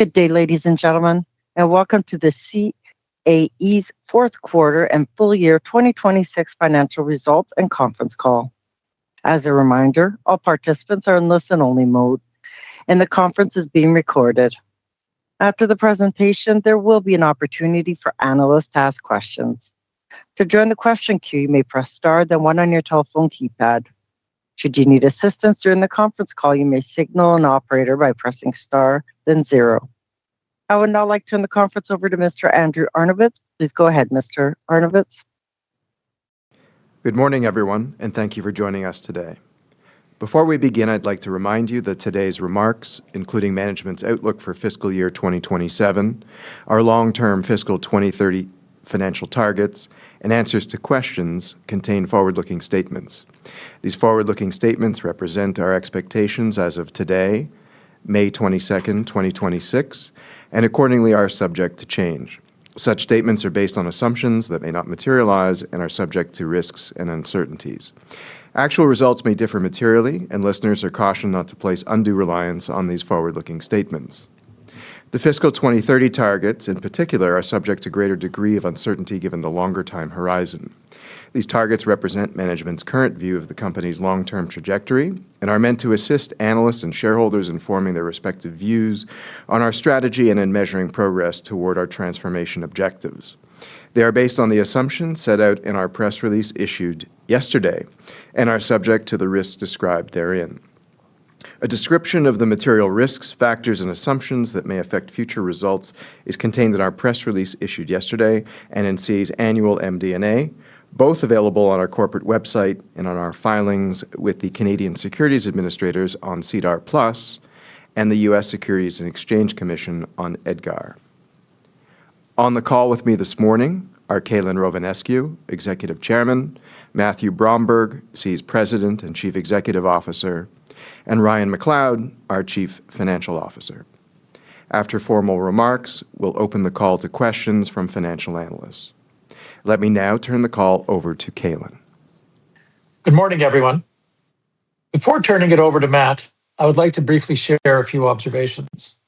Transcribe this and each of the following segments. Good day, ladies and gentlemen, and welcome to the CAE's fourth quarter and full year 2026 financial results and conference call. As a reminder, all participants are in listen only mode and the conference is being recorded. After the presentation, there will be an opportunity for analysts to ask questions. I would now like to turn the conference over to Mr. Andrew Arnovitz. Please go ahead, Mr. Arnovitz. Good morning, everyone, and thank you for joining us today. Before we begin, I'd like to remind you that today's remarks, including management's outlook for fiscal year 2027, our long-term fiscal 2030 financial targets, and answers to questions contain forward-looking statements. These forward-looking statements represent our expectations as of today, May 22nd, 2026, and accordingly are subject to change. Such statements are based on assumptions that may not materialize and are subject to risks and uncertainties. Actual results may differ materially, and listeners are cautioned not to place undue reliance on these forward-looking statements. The fiscal 2030 targets in particular are subject to greater degree of uncertainty given the longer time horizon. These targets represent management's current view of the company's long-term trajectory and are meant to assist analysts and shareholders in forming their respective views on our strategy and in measuring progress toward our transformation objectives. They are based on the assumptions set out in our press release issued yesterday and are subject to the risks described therein. A description of the material risks, factors, and assumptions that may affect future results is contained in our press release issued yesterday and in CAE's annual MD&A, both available on our corporate website and on our filings with the Canadian Securities Administrators on SEDAR+ and the U.S. Securities and Exchange Commission on EDGAR. On the call with me this morning are Calin Rovinescu, Executive Chairman, Matthew Bromberg, CAE's President and Chief Executive Officer, and Ryan McLeod, our Chief Financial Officer. After formal remarks, we'll open the call to questions from financial analysts. Let me now turn the call over to Calin. Good morning, everyone. Before turning it over to Matt, I would like to briefly share a few observations.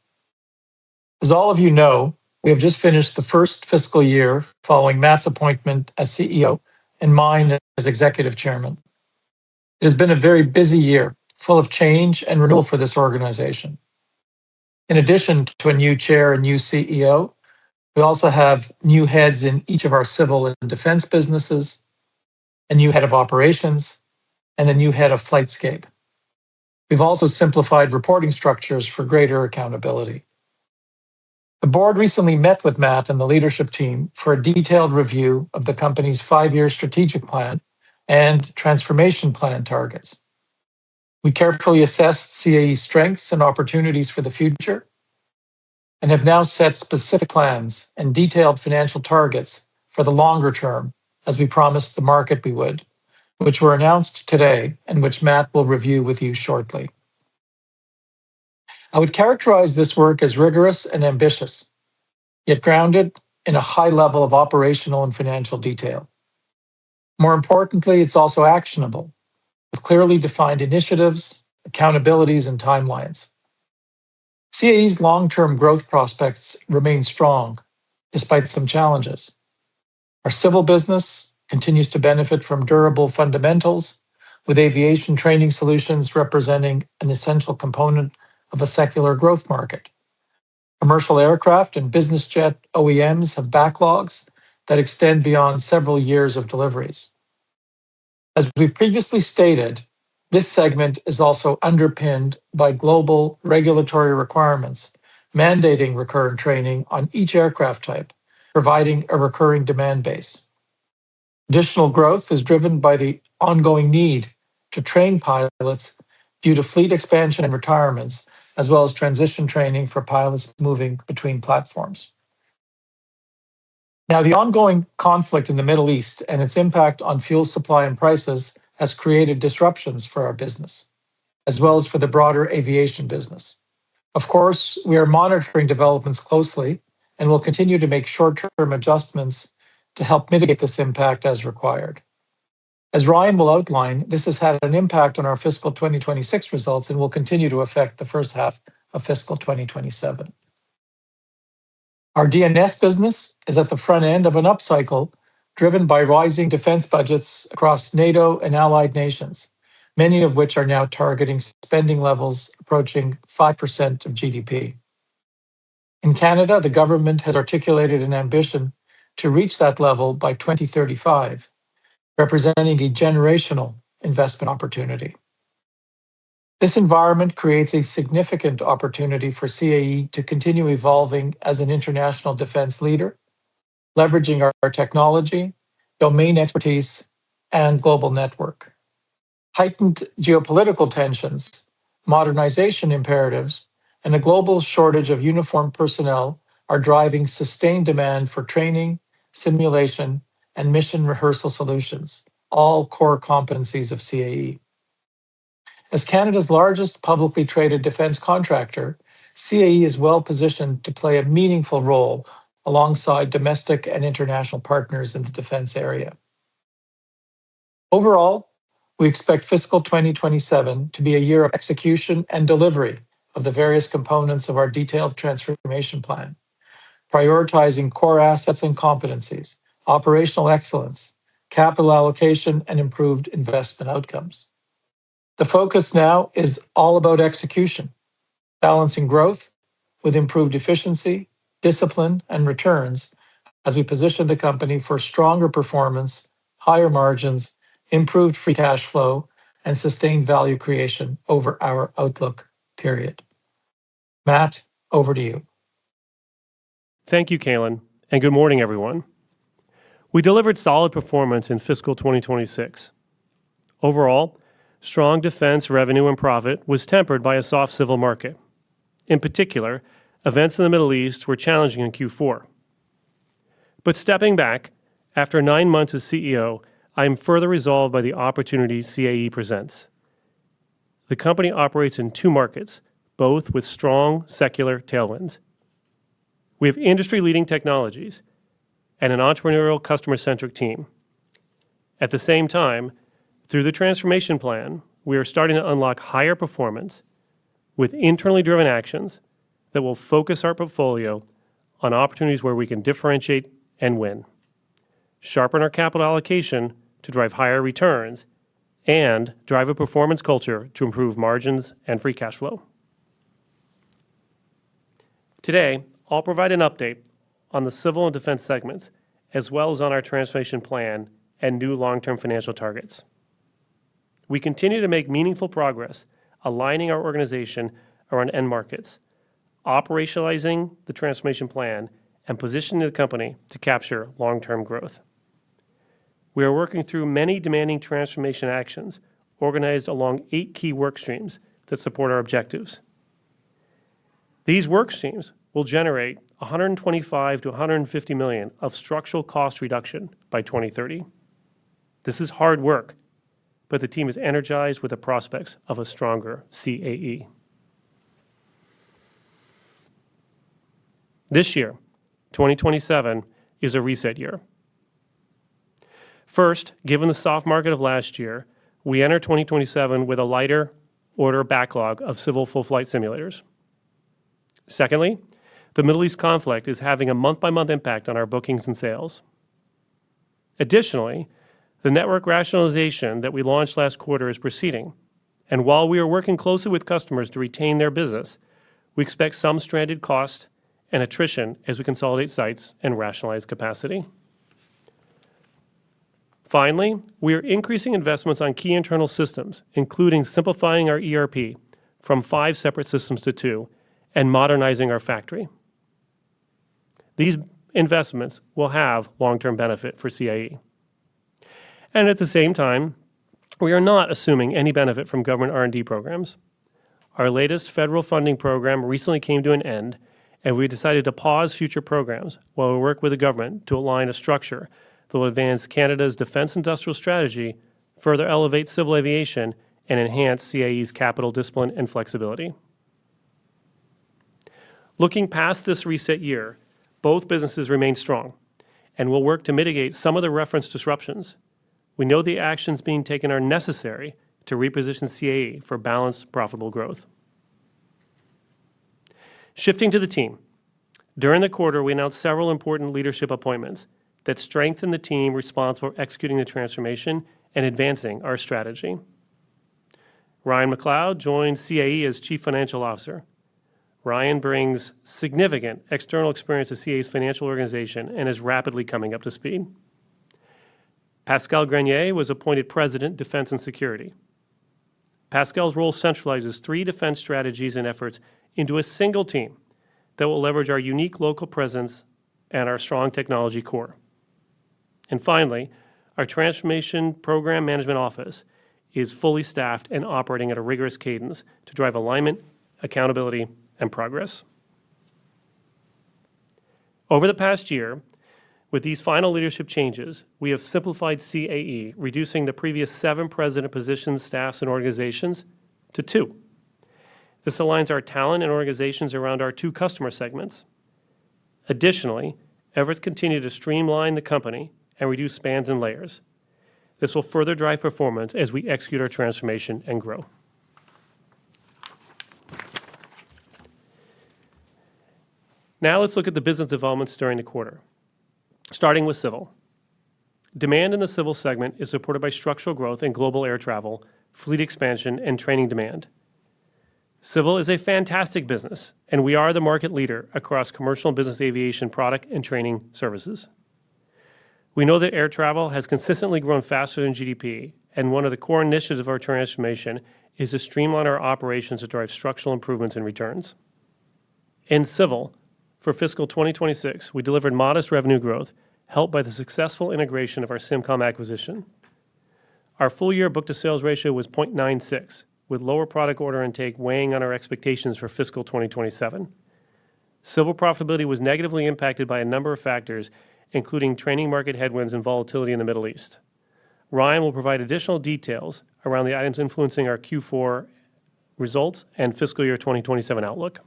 As all of you know, we have just finished the first fiscal year following Matt's appointment as CEO and mine as Executive Chairman. It has been a very busy year, full of change and renewal for this organization. In addition to a new Chair and new CEO, we also have new Heads in each of our Civil and Defence businesses, a new Head of Operations, and a new Head of Flightscape. We've also simplified reporting structures for greater accountability. The Board recently met with Matt and the leadership team for a detailed review of the company's five-year strategic plan and transformation plan targets. We carefully assessed CAE's strengths and opportunities for the future and have now set specific plans and detailed financial targets for the longer term as we promised the market we would, which were announced today and which Matt will review with you shortly. I would characterize this work as rigorous and ambitious, yet grounded in a high level of operational and financial detail. More importantly, it's also actionable with clearly defined initiatives, accountabilities, and timelines. CAE's long-term growth prospects remain strong despite some challenges. Our civil business continues to benefit from durable fundamentals with aviation training solutions representing an essential component of a secular growth market. Commercial aircraft and business jet OEMs have backlogs that extend beyond several years of deliveries. As we've previously stated, this segment is also underpinned by global regulatory requirements mandating recurrent training on each aircraft type, providing a recurring demand base. Additional growth is driven by the ongoing need to train pilots due to fleet expansion and retirements, as well as transition training for pilots moving between platforms. The ongoing conflict in the Middle East and its impact on fuel supply and prices has created disruptions for our business, as well as for the broader aviation business. Of course, we are monitoring developments closely and will continue to make short-term adjustments to help mitigate this impact as required. As Ryan will outline, this has had an impact on our fiscal 2026 results and will continue to affect the first half of fiscal 2027. Our D&S business is at the front end of an upcycle driven by rising defence budgets across NATO and Allied Nations, many of which are now targeting spending levels approaching 5% of GDP. In Canada, the government has articulated an ambition to reach that level by 2035, representing a generational investment opportunity. This environment creates a significant opportunity for CAE to continue evolving as an international defence leader, leveraging our technology, domain expertise, and global network. Heightened geopolitical tensions, modernization imperatives, and a global shortage of uniformed personnel are driving sustained demand for training, simulation, and mission rehearsal solutions, all core competencies of CAE. As Canada's largest publicly traded defence contractor, CAE is well-positioned to play a meaningful role alongside domestic and international partners in the defence area. We expect fiscal 2027 to be a year of execution and delivery of the various components of our detailed transformation plan, prioritizing core assets and competencies, operational excellence, capital allocation, and improved investment outcomes. The focus now is all about execution, balancing growth with improved efficiency, discipline, and returns as we position the company for stronger performance, higher margins, improved free cash flow, and sustained value creation over our outlook period. Matt, over to you. Thank you, Calin, and good morning, everyone. We delivered solid performance in fiscal 2026. Overall, strong Defence revenue and profit was tempered by a soft Civil market. In particular, events in the Middle East were challenging in Q4. Stepping back, after nine months as CEO, I am further resolved by the opportunity CAE presents. The company operates in two markets, both with strong secular tailwinds. We have industry-leading technologies and an entrepreneurial customer-centric team. At the same time, through the transformation plan, we are starting to unlock higher performance with internally driven actions that will focus our portfolio on opportunities where we can differentiate and win, sharpen our capital allocation to drive higher returns, and drive a performance culture to improve margins and free cash flow. Today, I'll provide an update on the Civil and Defence segments, as well as on our transformation plan and new long-term financial targets. We continue to make meaningful progress aligning our organization around end markets, operationalizing the transformation plan, and positioning the company to capture long-term growth. We are working through many demanding transformation actions organized along eight key work streams that support our objectives. These work streams will generate 125 million-150 million of structural cost reduction by 2030. This is hard work, but the team is energized with the prospects of a stronger CAE. This year, 2027, is a reset year. First, given the soft market of last year, we enter 2027 with a lighter order backlog of civil full flight simulators. Secondly, the Middle East conflict is having a month-by-month impact on our bookings and sales. Additionally, the network rationalization that we launched last quarter is proceeding, and while we are working closely with customers to retain their business, we expect some stranded cost and attrition as we consolidate sites and rationalize capacity. Finally, we are increasing investments on key internal systems, including simplifying our ERP from five separate systems to two and modernizing our factory. At the same time, we are not assuming any benefit from government R&D programs. Our latest federal funding program recently came to an end, and we decided to pause future programs while we work with the government to align a structure that will advance Canada's Defence Industrial Strategy, further elevate civil aviation, and enhance CAE's capital discipline and flexibility. Looking past this reset year, both businesses remain strong and will work to mitigate some of the referenced disruptions. We know the actions being taken are necessary to reposition CAE for balanced, profitable growth. Shifting to the team. During the quarter, we announced several important leadership appointments that strengthen the team responsible for executing the transformation and advancing our strategy. Ryan McLeod joined CAE as Chief Financial Officer. Ryan brings significant external experience to CAE's financial organization and is rapidly coming up to speed. Pascal Grenier was appointed President, Defence and Security. Pascal's role centralizes three defence strategies and efforts into a single team that will leverage our unique local presence and our strong technology core. Finally, our Transformation Program Management Office is fully staffed and operating at a rigorous cadence to drive alignment, accountability, and progress. Over the past year, with these final leadership changes, we have simplified CAE, reducing the previous seven president position staffs and organizations to two. This aligns our talent and organizations around our two customer segments. Additionally, efforts continue to streamline the company and reduce spans and layers. This will further drive performance as we execute our transformation and grow. Now let's look at the business developments during the quarter. Starting with Civil. Demand in the Civil segment is supported by structural growth in global air travel, fleet expansion, and training demand. Civil is a fantastic business, and we are the market leader across commercial and business aviation product and training services. We know that air travel has consistently grown faster than GDP, and one of the core initiatives of our transformation is to streamline our operations to drive structural improvements and returns. In Civil, for fiscal 2026, we delivered modest revenue growth helped by the successful integration of our SIMCOM acquisition. Our full-year book-to-sales ratio was 0.96, with lower product order intake weighing on our expectations for fiscal 2027. Civil profitability was negatively impacted by a number of factors, including training market headwinds and volatility in the Middle East. Ryan will provide additional details around the items influencing our Q4 results and fiscal year 2027 outlook.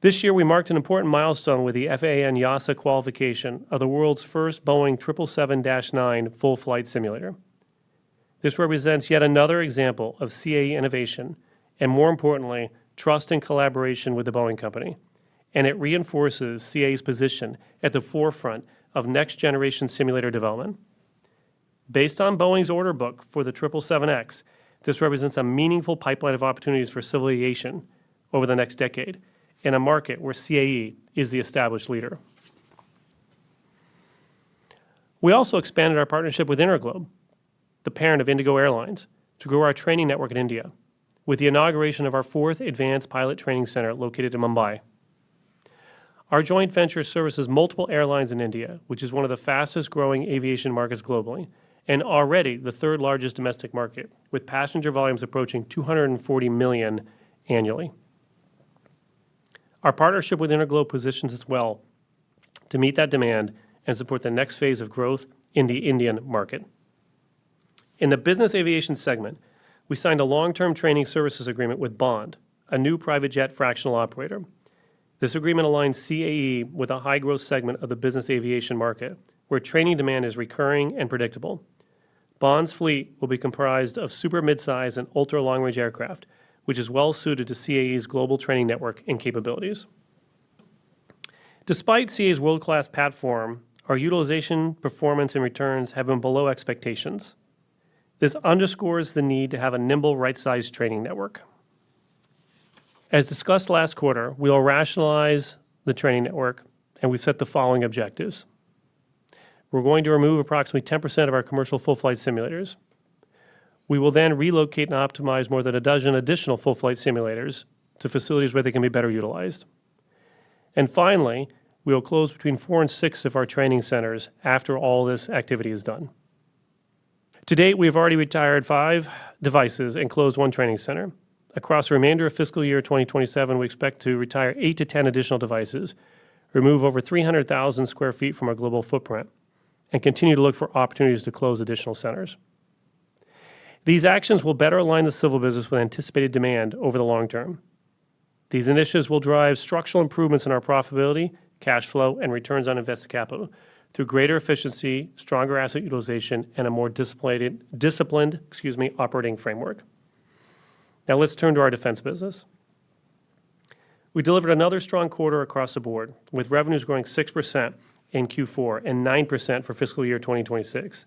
This year we marked an important milestone with the FAA and EASA qualification of the world's first Boeing 777-9 full flight simulator. This represents yet another example of CAE innovation and, more importantly, trust and collaboration with the Boeing company, and it reinforces CAE's position at the forefront of next-generation simulator development. Based on Boeing's order book for the 777X, this represents a meaningful pipeline of opportunities for civil aviation over the next decade in a market where CAE is the established leader. We also expanded our partnership with InterGlobe, the parent of IndiGo Airlines, to grow our training network in India with the inauguration of our fourth advanced pilot training center located in Mumbai. Our joint venture services multiple airlines in India, which is one of the fastest-growing aviation markets globally and already the third-largest domestic market, with passenger volumes approaching 240 million annually. Our partnership with InterGlobe positions us well to meet that demand and support the next phase of growth in the Indian market. In the Business Aviation segment, we signed a long-term training services agreement with BOND, a new private jet fractional operator. This agreement aligns CAE with a high-growth segment of the business aviation market where training demand is recurring and predictable. BOND's fleet will be comprised of super midsize and ultra-long-range aircraft, which is well-suited to CAE's global training network and capabilities. Despite CAE's world-class platform, our utilization, performance, and returns have been below expectations. This underscores the need to have a nimble, right-sized training network. As discussed last quarter, we will rationalize the training network, and we set the following objectives. We're going to remove approximately 10% of our commercial full flight simulators. We will relocate and optimize more than a dozen additional full flight simulators to facilities where they can be better utilized. Finally, we will close between four and six of our training centers after all this activity is done. To-date, we have already retired five devices and closed one training center. Across the remainder of fiscal year 2027, we expect to retire 8 to 10 additional devices, remove over 300,000 sq ft from our global footprint, and continue to look for opportunities to close additional centers. These actions will better align the Civil business with anticipated demand over the long term. These initiatives will drive structural improvements in our profitability, cash flow, and returns on invested capital through greater efficiency, stronger asset utilization, and a more disciplined operating framework. Now let's turn to our Defence business. We delivered another strong quarter across the board, with revenues growing 6% in Q4 and 9% for FY 2026.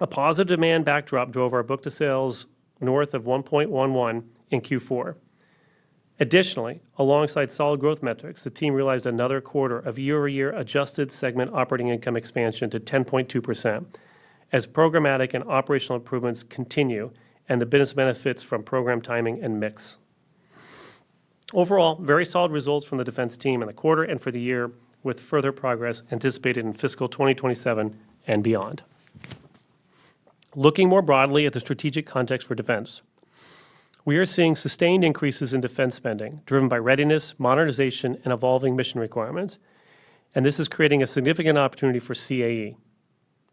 A positive demand backdrop drove our book-to-sales north of 1.11x in Q4. Additionally, alongside solid growth metrics, the team realized another quarter of year-over-year adjusted segment operating income expansion to 10.2% as programmatic and operational improvements continue and the business benefits from program timing and mix. Overall, very solid results from the Defence team in the quarter and for the year, with further progress anticipated in FY 2027 and beyond. Looking more broadly at the strategic context for defence, we are seeing sustained increases in defence spending driven by readiness, modernization, and evolving mission requirements, and this is creating a significant opportunity for CAE.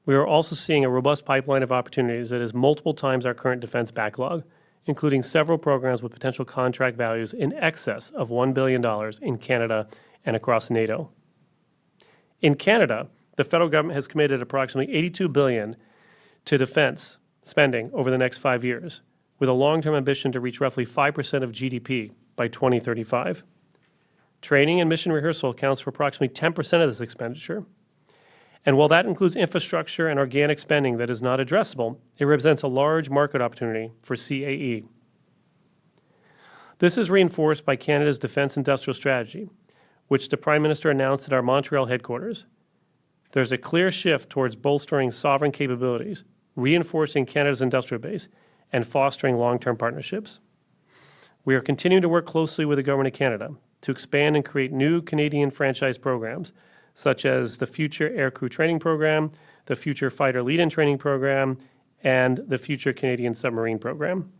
We are also seeing a robust pipeline of opportunities that is multiple times our current defence backlog, including several programs with potential contract values in excess of 1 billion dollars in Canada and across NATO. In Canada, the federal government has committed approximately 82 billion to defence spending over the next 5 years, with a long-term ambition to reach roughly 5% of GDP by 2035. Training and mission rehearsal accounts for approximately 10% of this expenditure. While that includes infrastructure and organic spending that is not addressable, it represents a large market opportunity for CAE. This is reinforced by Canada's Defence Industrial Strategy, which the Prime Minister announced at our Montreal headquarters. There's a clear shift towards bolstering sovereign capabilities, reinforcing Canada's industrial base, and fostering long-term partnerships. We are continuing to work closely with the government of Canada to expand and create new Canadian franchise programs such as the Future Aircrew Training Program, the Future Fighter Lead-In Training Program, and the Future Canadian Submarine Program.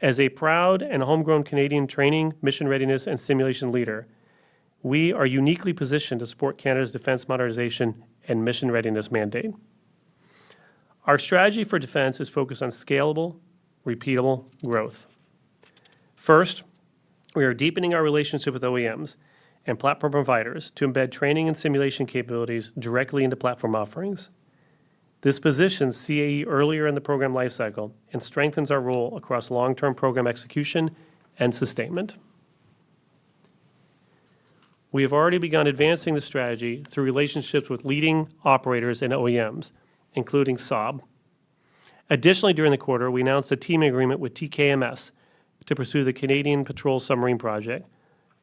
As a proud and homegrown Canadian training, mission readiness, and simulation leader, we are uniquely positioned to support Canada's defence modernization and mission readiness mandate. Our strategy for defence is focused on scalable, repeatable growth. First, we are deepening our relationship with OEMs and platform providers to embed training and simulation capabilities directly into platform offerings. This positions CAE earlier in the program lifecycle and strengthens our role across long-term program execution and sustainment. We have already begun advancing the strategy through relationships with leading operators and OEMs, including Saab. Additionally, during the quarter, we announced a team agreement with TKMS to pursue the Canadian Patrol Submarine Project,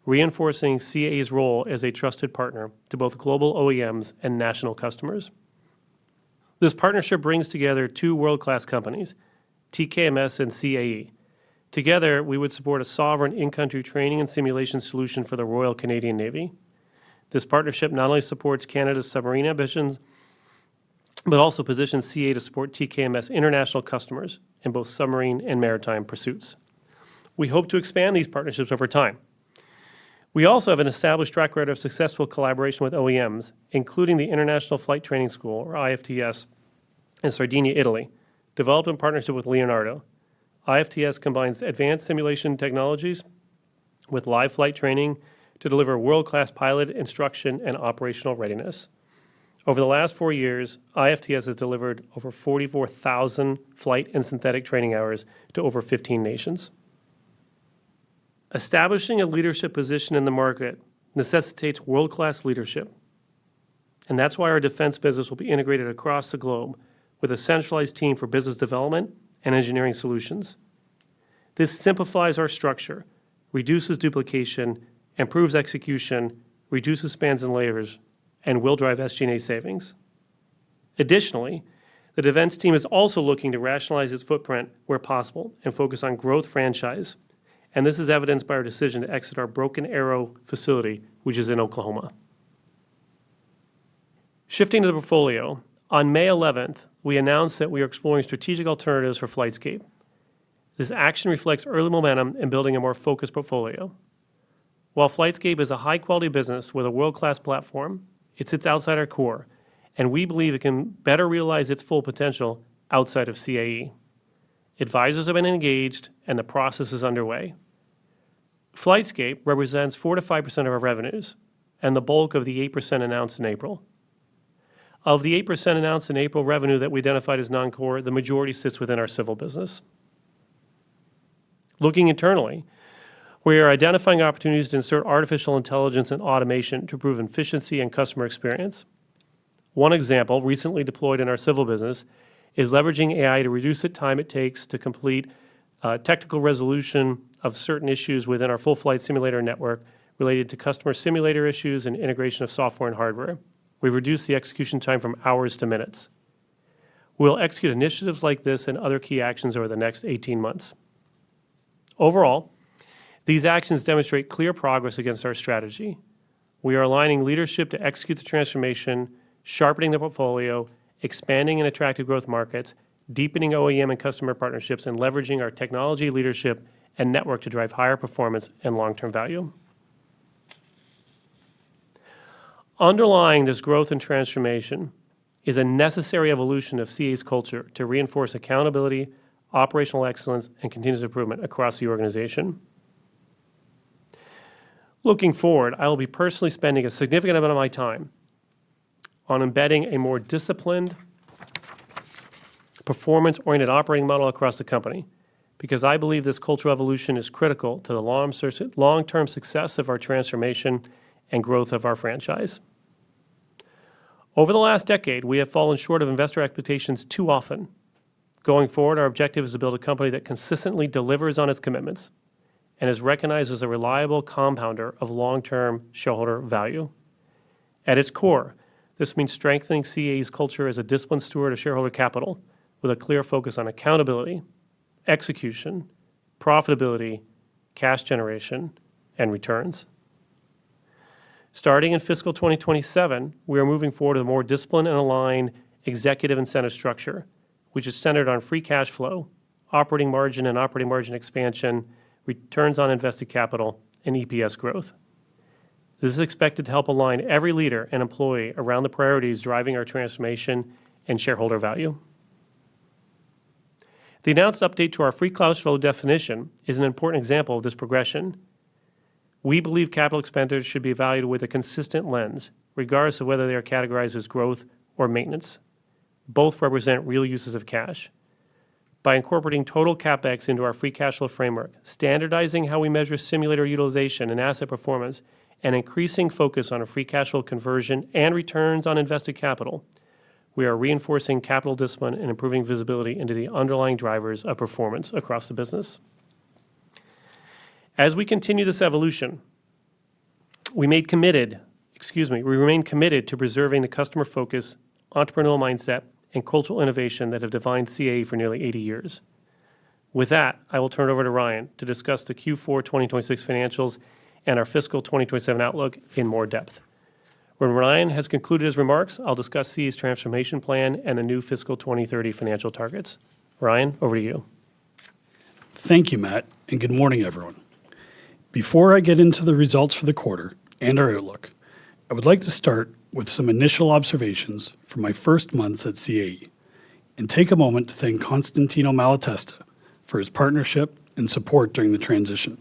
reinforcing CAE's role as a trusted partner to both global OEMs and national customers. This partnership brings together two world-class companies, TKMS and CAE. Together, we would support a sovereign in-country training and simulation solution for the Royal Canadian Navy. This partnership not only supports Canada's submarine ambitions but also positions CAE to support TKMS international customers in both submarine and maritime pursuits. We hope to expand these partnerships over time. We also have an established track record of successful collaboration with OEMs, including the International Flight Training School, or IFTS, in Sardinia, Italy, developed in partnership with Leonardo. IFTS combines advanced simulation technologies with live flight training to deliver world-class pilot instruction and operational readiness. Over the last four years, IFTS has delivered over 44,000 flight and synthetic training hours to over 15 nations. Establishing a leadership position in the market necessitates world-class leadership. That's why our Defence business will be integrated across the globe with a centralized team for business development and engineering solutions. This simplifies our structure, reduces duplication, improves execution, reduces spans and layers, and will drive SG&A savings. Additionally, the Defence team is also looking to rationalize its footprint where possible and focus on growth franchise. This is evidenced by our decision to exit our Broken Arrow facility, which is in Oklahoma. Shifting to the portfolio, on May 11th, we announced that we are exploring strategic alternatives for Flightscape. This action reflects early momentum in building a more focused portfolio. While Flightscape is a high-quality business with a world-class platform, it sits outside our core, and we believe it can better realize its full potential outside of CAE. Advisors have been engaged, and the process is underway. Flightscape represents 4%-5% of our revenues and the bulk of the 8% announced in April. Of the 8% announced in April revenue that we identified as non-core, the majority sits within our Civil business. Looking internally, we are identifying opportunities to insert artificial intelligence and automation to improve efficiency and customer experience. One example recently deployed in our Civil business is leveraging AI to reduce the time it takes to complete technical resolution of certain issues within our full flight simulator network related to customer simulator issues and integration of software and hardware. We've reduced the execution time from hours to minutes. We'll execute initiatives like this and other key actions over the next 18 months. Overall, these actions demonstrate clear progress against our strategy. We are aligning leadership to execute the transformation, sharpening the portfolio, expanding in attractive growth markets, deepening OEM and customer partnerships, and leveraging our technology leadership and network to drive higher performance and long-term value. Underlying this growth and transformation is a necessary evolution of CAE's culture to reinforce accountability, operational excellence, and continuous improvement across the organization. Looking forward, I will be personally spending a significant amount of my time on embedding a more disciplined, performance-oriented operating model across the company, because I believe this cultural evolution is critical to the long-term success of our transformation and growth of our franchise. Over the last decade, we have fallen short of investor expectations too often. Going forward, our objective is to build a company that consistently delivers on its commitments and is recognized as a reliable compounder of long-term shareholder value. At its core, this means strengthening CAE's culture as a disciplined steward of shareholder capital with a clear focus on accountability, execution, profitability, cash generation, and returns. Starting in fiscal 2027, we are moving forward to a more disciplined and aligned executive incentive structure, which is centered on free cash flow, operating margin and operating margin expansion, returns on invested capital, and EPS growth. This is expected to help align every leader and employee around the priorities driving our transformation and shareholder value. The announced update to our free cash flow definition is an important example of this progression. We believe capital expenditures should be valued with a consistent lens, regardless of whether they are categorized as growth or maintenance. Both represent real uses of cash. By incorporating total CapEx into our free cash flow framework, standardizing how we measure simulator utilization and asset performance, and increasing focus on a free cash flow conversion and returns on invested capital, we are reinforcing capital discipline and improving visibility into the underlying drivers of performance across the business. As we continue this evolution, we remain committed to preserving the customer focus, entrepreneurial mindset, and cultural innovation that have defined CAE for nearly 80 years. With that, I will turn it over to Ryan to discuss the Q4 2026 financials and our fiscal 2027 outlook in more depth. When Ryan has concluded his remarks, I'll discuss CAE's transformation plan and the new fiscal 2030 financial targets. Ryan, over to you. Thank you, Matt, and good morning, everyone. Before I get into the results for the quarter and our outlook, I would like to start with some initial observations from my first months at CAE and take a moment to thank Constantino Malatesta for his partnership and support during the transition.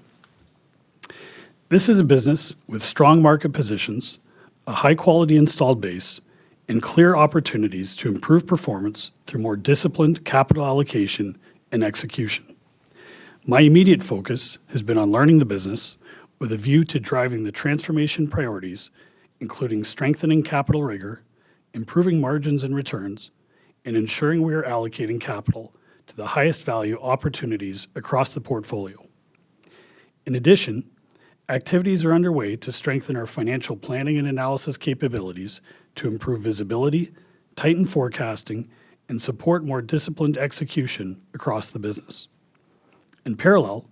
This is a business with strong market positions, a high-quality installed base, and clear opportunities to improve performance through more disciplined capital allocation and execution. My immediate focus has been on learning the business with a view to driving the transformation priorities, including strengthening capital rigor, improving margins and returns, and ensuring we are allocating capital to the highest value opportunities across the portfolio. In addition, activities are underway to strengthen our financial planning and analysis capabilities to improve visibility, tighten forecasting, and support more disciplined execution across the business. In parallel,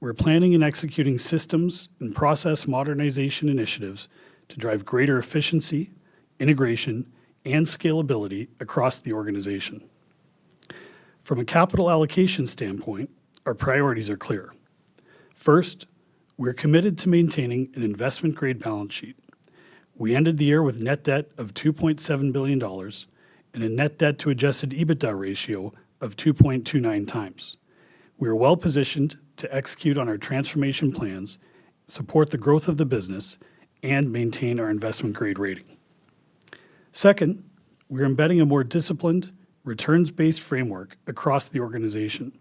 we're planning and executing systems and process modernization initiatives to drive greater efficiency, integration, and scalability across the organization. From a capital allocation standpoint, our priorities are clear. First, we're committed to maintaining an investment-grade balance sheet. We ended the year with net debt of 2.7 billion dollars and a net debt-to-adjusted EBITDA ratio of 2.29x. We are well-positioned to execute on our transformation plans, support the growth of the business, and maintain our investment-grade rating. Second, we're embedding a more disciplined, returns-based framework across the organization.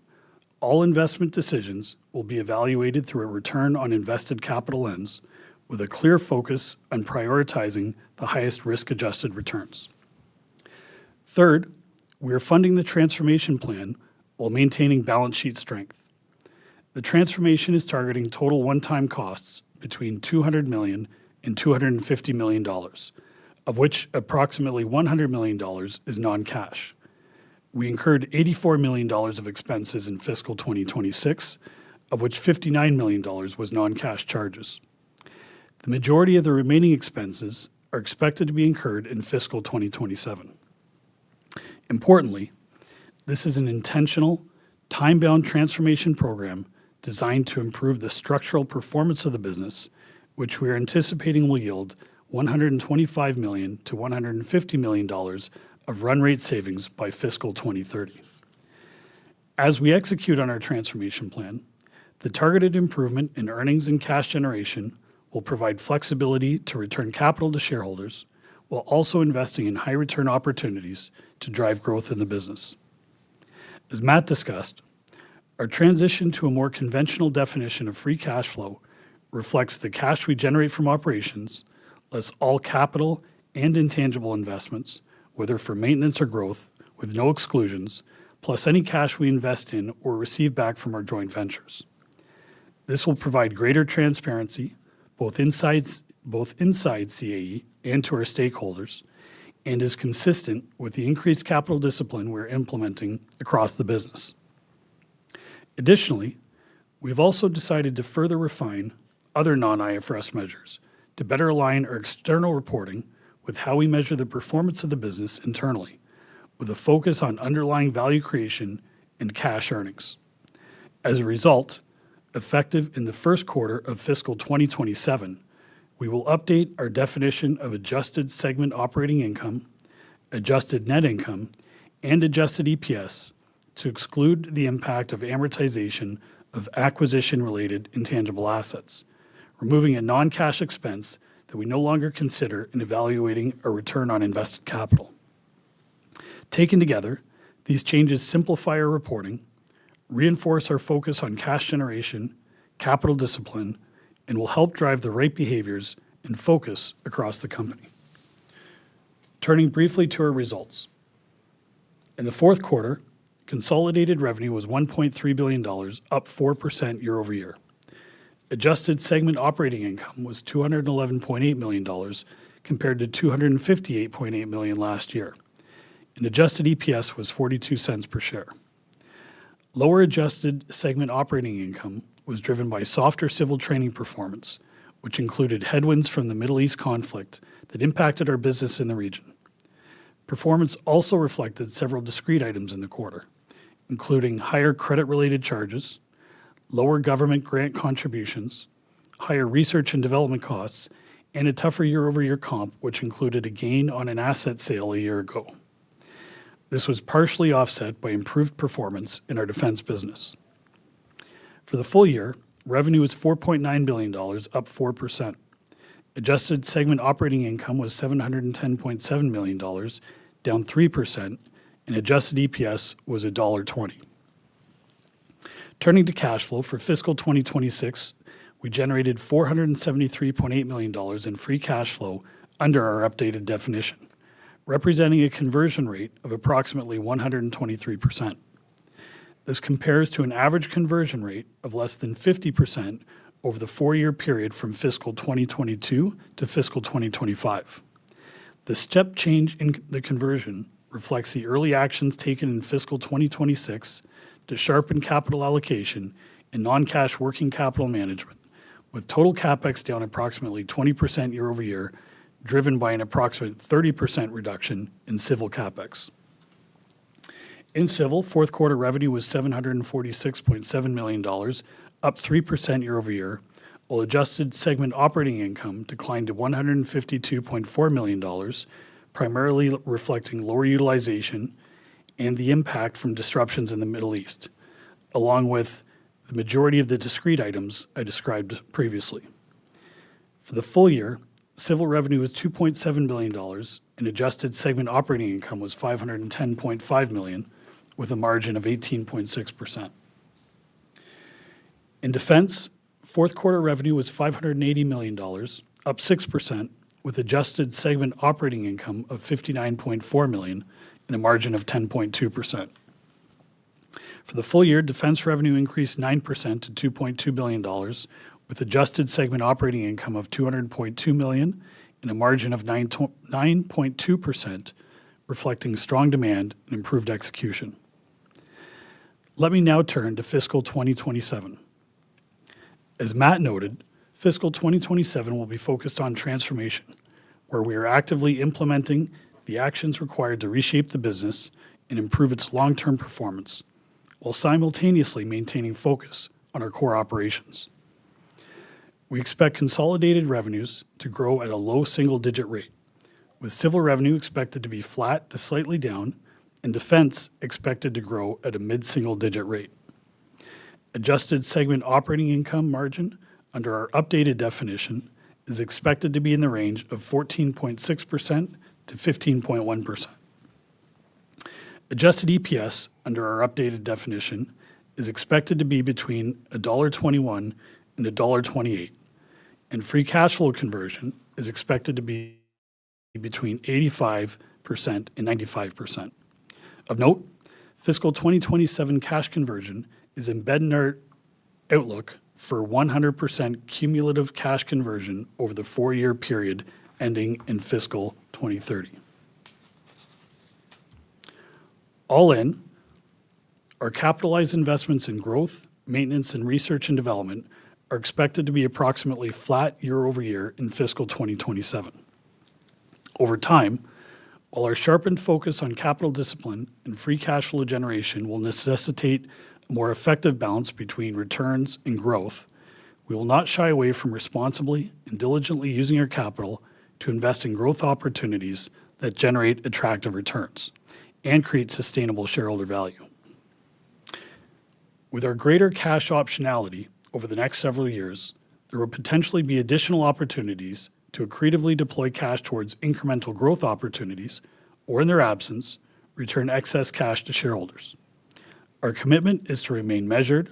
All investment decisions will be evaluated through a return on invested capital lens with a clear focus on prioritizing the highest risk-adjusted returns. Third, we are funding the transformation plan while maintaining balance sheet strength. The transformation is targeting total one-time costs between 200 million and 250 million dollars, of which approximately 100 million dollars is non-cash. We incurred 84 million dollars of expenses in fiscal 2026, of which 59 million dollars was non-cash charges. The majority of the remaining expenses are expected to be incurred in fiscal 2027. Importantly, this is an intentional, time-bound transformation program designed to improve the structural performance of the business, which we are anticipating will yield 125 million-150 million dollars of run-rate savings by fiscal 2030. As we execute on our transformation plan, the targeted improvement in earnings and cash generation will provide flexibility to return capital to shareholders, while also investing in high-return opportunities to drive growth in the business. As Matt discussed, our transition to a more conventional definition of free cash flow reflects the cash we generate from operations, less all capital and intangible investments, whether for maintenance or growth with no exclusions, plus any cash we invest in or receive back from our joint ventures. This will provide greater transparency, both inside CAE and to our stakeholders, and is consistent with the increased capital discipline we're implementing across the business. Additionally, we've also decided to further refine other non-IFRS measures to better align our external reporting with how we measure the performance of the business internally, with a focus on underlying value creation and cash earnings. As a result, effective in the first quarter of fiscal 2027, we will update our definition of adjusted segment operating income, adjusted net income, and adjusted EPS to exclude the impact of amortization of acquisition-related intangible assets, removing a non-cash expense that we no longer consider in evaluating a return on invested capital. Taken together, these changes simplify our reporting, reinforce our focus on cash generation, capital discipline, and will help drive the right behaviors and focus across the company. Turning briefly to our results. In the fourth quarter, consolidated revenue was 1.3 billion dollars, up 4% year-over-year. Adjusted segment operating income was 211.8 million dollars compared to 258.8 million last year, and adjusted EPS was 0.42 per share. Lower adjusted segment operating income was driven by softer civil training performance, which included headwinds from the Middle East conflict that impacted our business in the region. Performance also reflected several discrete items in the quarter, including higher credit-related charges, lower government grant contributions, higher research and development costs, and a tougher year-over-year comp, which included a gain on an asset sale a year ago. This was partially offset by improved performance in our Defence business. For the full year, revenue was 4.9 billion dollars, up 4%. Adjusted segment operating income was 710.7 million dollars, down 3%, and adjusted EPS was dollar 1.20. Turning to cash flow for fiscal 2026, we generated 473.8 million dollars in free cash flow under our updated definition, representing a conversion rate of approximately 123%. This compares to an average conversion rate of less than 50% over the four-year period from fiscal 2022 to fiscal 2025. The step change in the conversion reflects the early actions taken in fiscal 2026 to sharpen capital allocation and non-cash working capital management, with total CapEx down approximately 20% year-over-year, driven by an approximate 30% reduction in Civil CapEx. In Civil, fourth quarter revenue was 746.7 million dollars, up 3% year-over-year, while adjusted segment operating income declined to 152.4 million dollars, primarily reflecting lower utilization and the impact from disruptions in the Middle East, along with the majority of the discrete items I described previously. For the full year, Civil revenue was 2.7 billion dollars and adjusted segment operating income was 510.5 million with a margin of 18.6%. In Defence, fourth quarter revenue was 580 million dollars, up 6%, with adjusted segment operating income of 59.4 million and a margin of 10.2%. For the full year, defence revenue increased 9% to 2.2 billion dollars, with adjusted segment operating income of 200.2 million and a margin of 9.2%, reflecting strong demand and improved execution. Let me now turn to fiscal 2027. As Matt noted, fiscal 2027 will be focused on transformation, where we are actively implementing the actions required to reshape the business and improve its long-term performance, while simultaneously maintaining focus on our core operations. We expect consolidated revenues to grow at a low single-digit rate, with Civil revenue expected to be flat to slightly down and Defence expected to grow at a mid-single-digit rate. Adjusted segment operating income margin under our updated definition is expected to be in the range of 14.6%-15.1%. Adjusted EPS under our updated definition is expected to be between dollar 1.21 and dollar 1.28, and free cash flow conversion is expected to be between 85% and 95%. Of note, fiscal 2027 cash conversion is embedded in our outlook for 100% cumulative cash conversion over the four-year period ending in fiscal 2030. All in, our capitalized investments in growth, maintenance, and research and development are expected to be approximately flat year-over-year in fiscal 2027. Over time, while our sharpened focus on capital discipline and free cash flow generation will necessitate a more effective balance between returns and growth, we will not shy away from responsibly and diligently using our capital to invest in growth opportunities that generate attractive returns and create sustainable shareholder value. With our greater cash optionality over the next several years, there will potentially be additional opportunities to creatively deploy cash towards incremental growth opportunities, or in their absence, return excess cash to shareholders. Our commitment is to remain measured,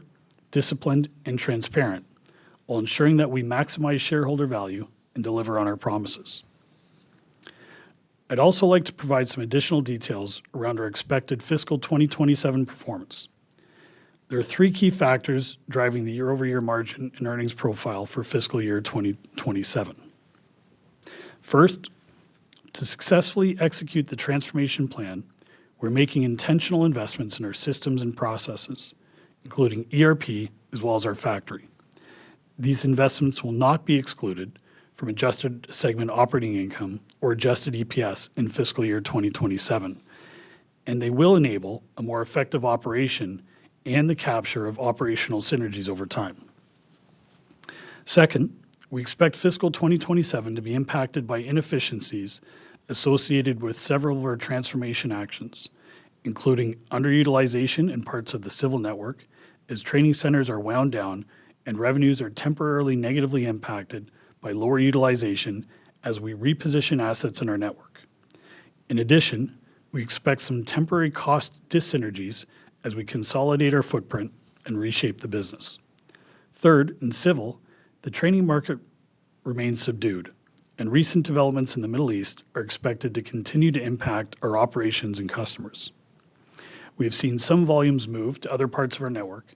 disciplined, and transparent while ensuring that we maximize shareholder value and deliver on our promises. I'd also like to provide some additional details around our expected fiscal 2027 performance. There are three key factors driving the year-over-year margin and earnings profile for fiscal year 2027. First, to successfully execute the transformation plan, we're making intentional investments in our systems and processes, including ERP, as well as our factory. These investments will not be excluded from adjusted segment operating income or adjusted EPS in fiscal year 2027, and they will enable a more effective operation and the capture of operational synergies over time. Second, we expect fiscal 2027 to be impacted by inefficiencies associated with several of our transformation actions, including underutilization in parts of the Civil network as training centers are wound down and revenues are temporarily negatively impacted by lower utilization as we reposition assets in our network. We expect some temporary cost dyssynergies as we consolidate our footprint and reshape the business. In Civil, the training market remains subdued, and recent developments in the Middle East are expected to continue to impact our operations and customers. We have seen some volumes move to other parts of our network.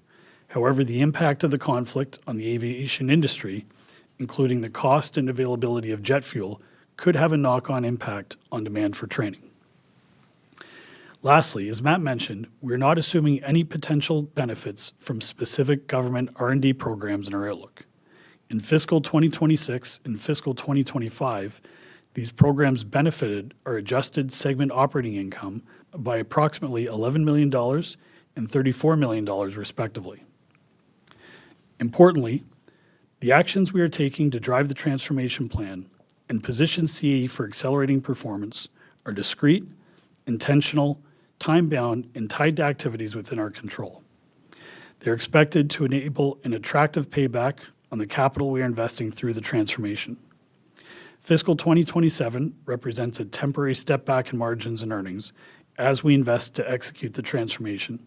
The impact of the conflict on the aviation industry, including the cost and availability of jet fuel, could have a knock-on impact on demand for training. As Matt mentioned, we're not assuming any potential benefits from specific government R&D programs in our outlook. In fiscal 2026 and fiscal 2025, these programs benefited our adjusted segment operating income by approximately 11 million dollars and 34 million dollars, respectively. Importantly, the actions we are taking to drive the transformation plan and position CAE for accelerating performance are discrete, intentional, time-bound, and tied to activities within our control. They're expected to enable an attractive payback on the capital we are investing through the transformation. Fiscal 2027 represents a temporary step back in margins and earnings as we invest to execute the transformation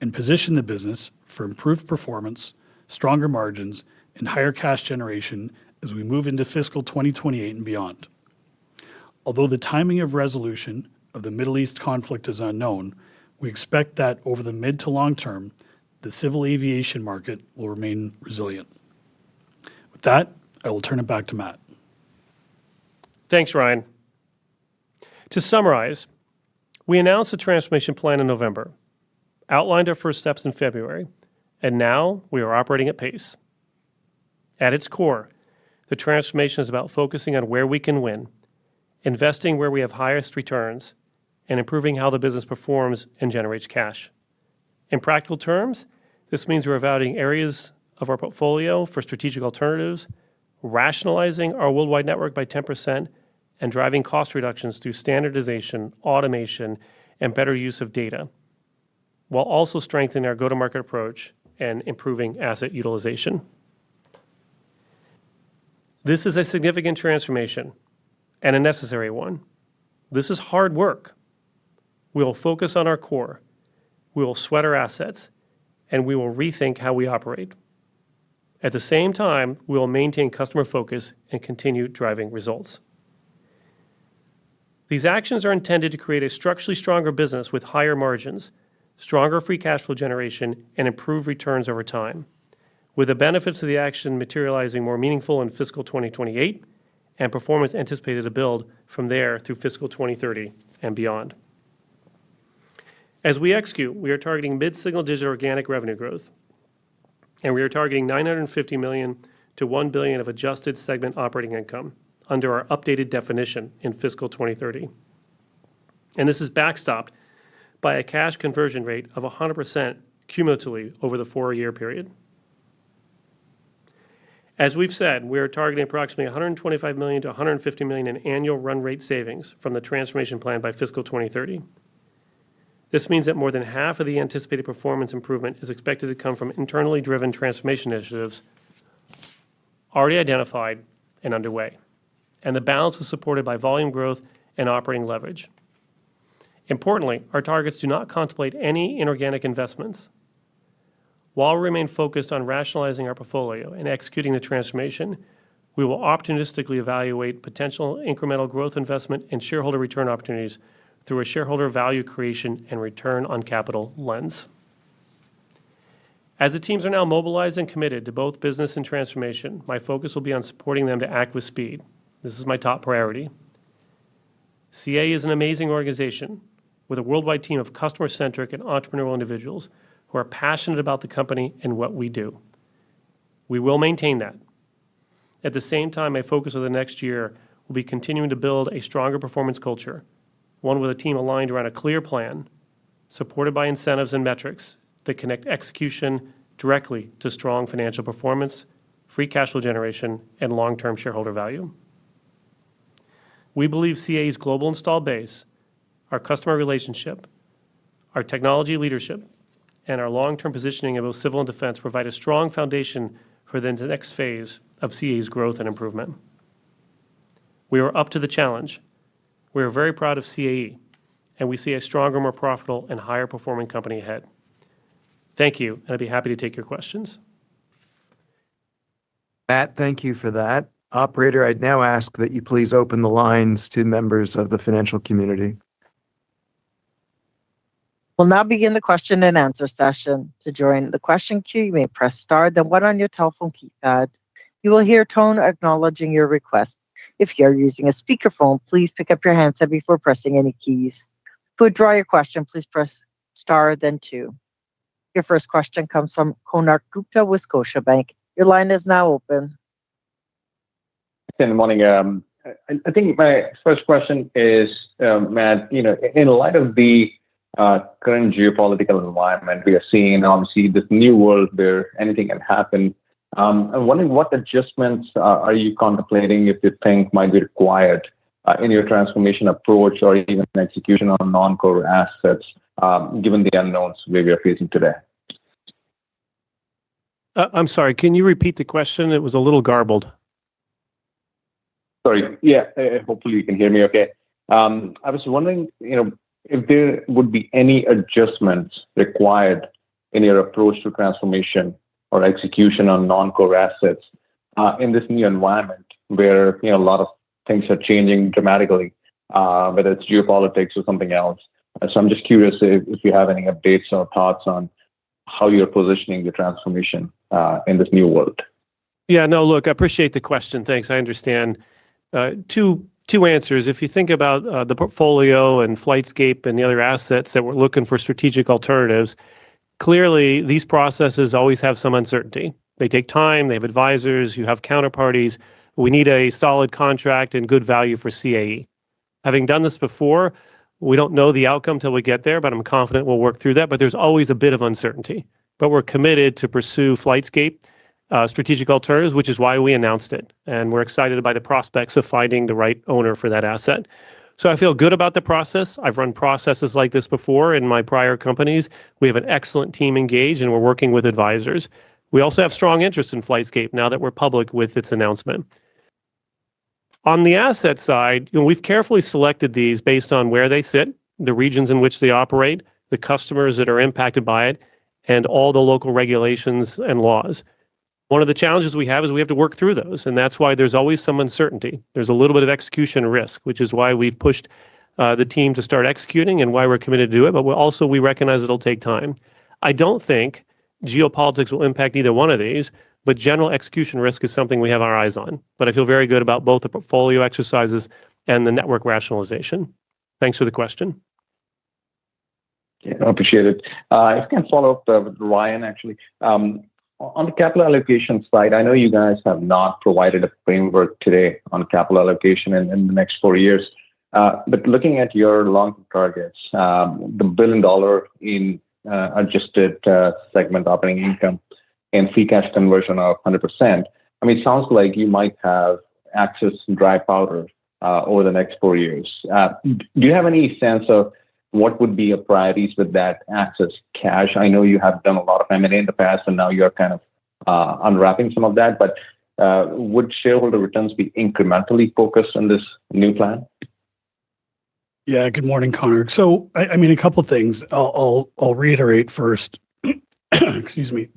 and position the business for improved performance, stronger margins, and higher cash generation as we move into fiscal 2028 and beyond. Although the timing of resolution of the Middle East conflict is unknown, we expect that over the mid-to long-term, the civil aviation market will remain resilient. With that, I will turn it back to Matt. Thanks, Ryan. To summarize, we announced the transformation plan in November, outlined our first steps in February, and now we are operating at pace. At its core, the transformation is about focusing on where we can win, investing where we have highest returns, and improving how the business performs and generates cash. In practical terms, this means we're evaluating areas of our portfolio for strategic alternatives, rationalizing our worldwide network by 10%, and driving cost reductions through standardization, automation, and better use of data, while also strengthening our go-to-market approach and improving asset utilization. This is a significant transformation and a necessary one. This is hard work. We will focus on our core, we will sweat our assets, and we will rethink how we operate. At the same time, we will maintain customer focus and continue driving results. These actions are intended to create a structurally stronger business with higher margins, stronger free cash flow generation, and improved returns over time, with the benefits of the action materializing more meaningful in fiscal 2028 and performance anticipated to build from there through fiscal 2030 and beyond. As we execute, we are targeting mid-single-digit organic revenue growth, we are targeting 950 million-1 billion of adjusted segment operating income under our updated definition in fiscal 2030. This is backstopped by a cash conversion rate of 100% cumulatively over the four-year period. As we've said, we are targeting approximately 125 million-150 million in annual run-rate savings from the transformation plan by fiscal 2030. This means that more than half of the anticipated performance improvement is expected to come from internally driven transformation initiatives already identified and underway, and the balance is supported by volume growth and operating leverage. Importantly, our targets do not contemplate any inorganic investments. While we remain focused on rationalizing our portfolio and executing the transformation, we will opportunistically evaluate potential incremental growth investment and shareholder return opportunities through a shareholder value creation and return on capital lens. As the teams are now mobilized and committed to both business and transformation, my focus will be on supporting them to act with speed. This is my top priority. CAE is an amazing organization with a worldwide team of customer-centric and entrepreneurial individuals who are passionate about the company and what we do. We will maintain that. At the same time, my focus over the next year will be continuing to build a stronger performance culture, one with a team aligned around a clear plan, supported by incentives and metrics that connect execution directly to strong financial performance, free cash flow generation, and long-term shareholder value. We believe CAE's global installed base, our customer relationship, our technology leadership, and our long-term positioning of both Civil and Defence provide a strong foundation for the next phase of CAE's growth and improvement. We are up to the challenge. We are very proud of CAE, and we see a stronger, more profitable, and higher-performing company ahead. Thank you, and I'd be happy to take your questions. Matt, thank you for that. Operator, I would now ask that you please open the lines to members of the financial community. We'll now begin the question-and-answer session. To join the question queue, you may press star then one on your telephone keypad. You will hear a tone acknowledging your request. If you are using a speakerphone, please pick up your handset before pressing any keys. To withdraw your question, please press star then two. Your first question comes from Konark Gupta with Scotiabank. Your line is now open. Good morning. I think my first question is, Matt, in light of the current geopolitical environment we are seeing, obviously this new world where anything can happen, I'm wondering what adjustments are you contemplating, if you think might be required in your transformation approach or even execution on non-core assets, given the unknowns we are facing today? I'm sorry. Can you repeat the question? It was a little garbled. Sorry. Yeah. Hopefully you can hear me okay. I was just wondering if there would be any adjustments required in your approach to transformation or execution on non-core assets, in this new environment where a lot of things are changing dramatically, whether it's geopolitics or something else. I'm just curious if you have any updates or thoughts on how you're positioning your transformation in this new world. No, look, I appreciate the question. Thanks. I understand. Two answers. If you think about the portfolio and Flightscape and the other assets that we're looking for strategic alternatives, clearly these processes always have some uncertainty. They take time. They have advisors. You have counterparties. We need a solid contract and good value for CAE. Having done this before, we don't know the outcome till we get there, but I'm confident we'll work through that, but there's always a bit of uncertainty. We're committed to pursue Flightscape strategic alternatives, which is why we announced it. We're excited by the prospects of finding the right owner for that asset. I feel good about the process. I've run processes like this before in my prior companies. We have an excellent team engaged, and we're working with advisors. We also have strong interest in Flightscape now that we're public with its announcement. On the asset side, we've carefully selected these based on where they sit, the regions in which they operate, the customers that are impacted by it, and all the local regulations and laws. One of the challenges we have is we have to work through those, and that's why there's always some uncertainty. There's a little bit of execution risk, which is why we've pushed the team to start executing and why we're committed to do it, but also we recognize it'll take time. I don't think geopolitics will impact either one of these, but general execution risk is something we have our eyes on. I feel very good about both the portfolio exercises and the network rationalization. Thanks for the question. I appreciate it. If I can follow up with Ryan, actually. On the capital allocation slide, I know you guys have not provided a framework today on capital allocation in the next four years. Looking at your long targets, the billion-dollar in adjusted segment operating income and free cash conversion of 100%, I mean, it sounds like you might have access to dry powder over the next four years. Do you have any sense of what would be your priorities with that excess cash? I know you have done a lot of M&A in the past, and now you're kind of unwrapping some of that, but would shareholder returns be incrementally focused on this new plan? Yeah. Good morning, Konark. A couple of things. I'll reiterate first. Excuse me.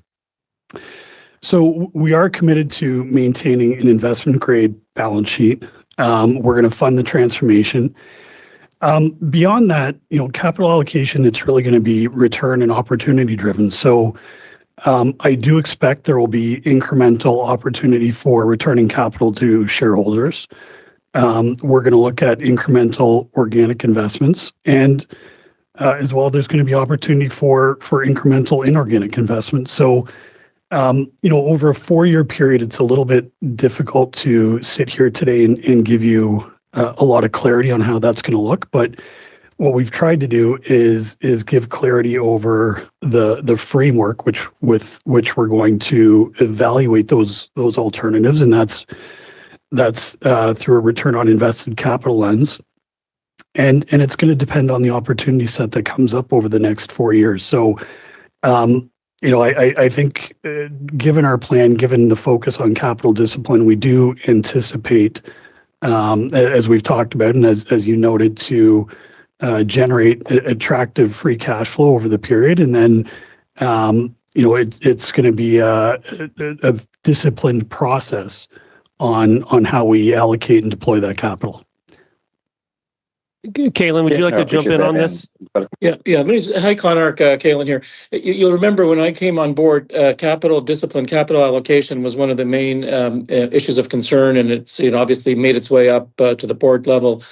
We are committed to maintaining an investment-grade balance sheet. We're going to fund the transformation. Beyond that, capital allocation, it's really going to be return and opportunity driven. I do expect there will be incremental opportunity for returning capital to shareholders. We're going to look at incremental organic investments and as well, there's going to be opportunity for incremental inorganic investments. Over a four-year period, it's a little bit difficult to sit here today and give you a lot of clarity on how that's going to look. What we've tried to do is give clarity over the framework which we're going to evaluate those alternatives, and that's through a return on invested capital lens. It's going to depend on the opportunity set that comes up over the next four years. I think given our plan, given the focus on capital discipline, we do anticipate, as we've talked about and as you noted, to generate attractive free cash flow over the period. It's going to be a disciplined process on how we allocate and deploy that capital. Calin, would you like to jump in on this? Hi, Konark. Calin here. You'll remember when I came on board, capital discipline, capital allocation was one of the main issues of concern. It's obviously made its way up to the Board level.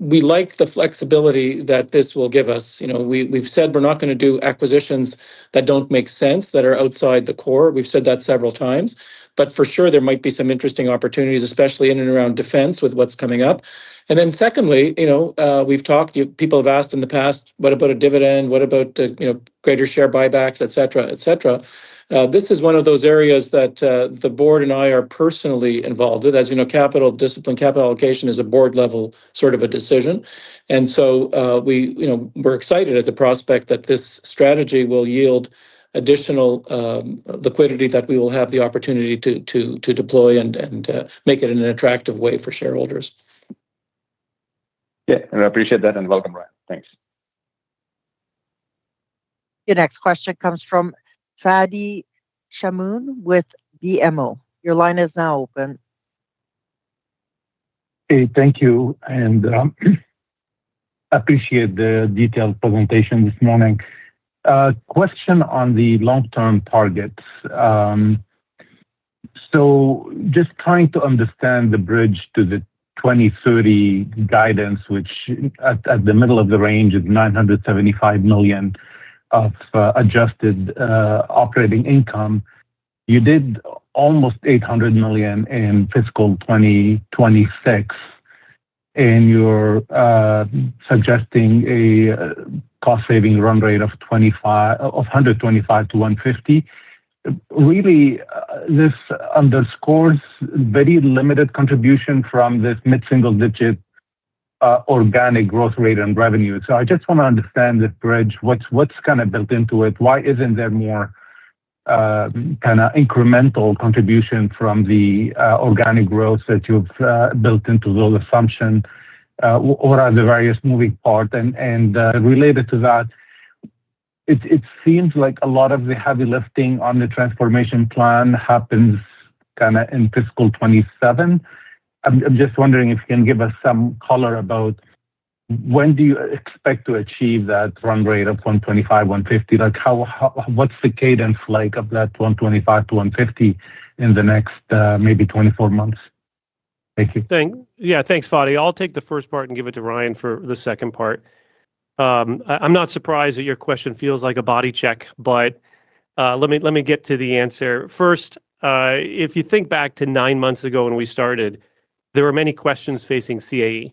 We like the flexibility that this will give us. We've said we're not going to do acquisitions that don't make sense, that are outside the core. We've said that several times. For sure, there might be some interesting opportunities, especially in and around Defence with what's coming up. Secondly, we've talked, people have asked in the past, what about a dividend? What about greater share buybacks, et cetera? This is one of those areas that the Board and I are personally involved with. As you know, capital discipline, capital allocation is a Board-level sort of a decision. We're excited at the prospect that this strategy will yield additional liquidity that we will have the opportunity to deploy and make it in an attractive way for shareholders. Yeah. I appreciate that, and welcome, Ryan. Thanks. Your next question comes from Fadi Chamoun with BMO. Your line is now open. Hey, thank you. I appreciate the detailed presentation this morning. A question on the long-term targets. Just trying to understand the bridge to the 2030 guidance, which at the middle of the range is 975 million of adjusted operating income. You did almost 800 million in fiscal 2026. You're suggesting a cost-saving run-rate of 125 million to 150 million. Really, this underscores very limited contribution from this mid-single-digit organic growth rate and revenue. I just want to understand the bridge. What's built into it? Why isn't there more incremental contribution from the organic growth that you've built into those assumptions? What are the various moving parts? Related to that, it seems like a lot of the heavy lifting on the transformation plan happens in fiscal 2027. I'm just wondering if you can give us some color about when do you expect to achieve that run-rate of 125 million-150 million? What's the cadence like of that 125 million to 150 million in the next maybe 24 months? Thank you. Yeah. Thanks, Fadi. I'll take the first part and give it to Ryan for the second part. I'm not surprised that your question feels like a body check. Let me get to the answer. First, if you think back to nine months ago when we started, there were many questions facing CAE.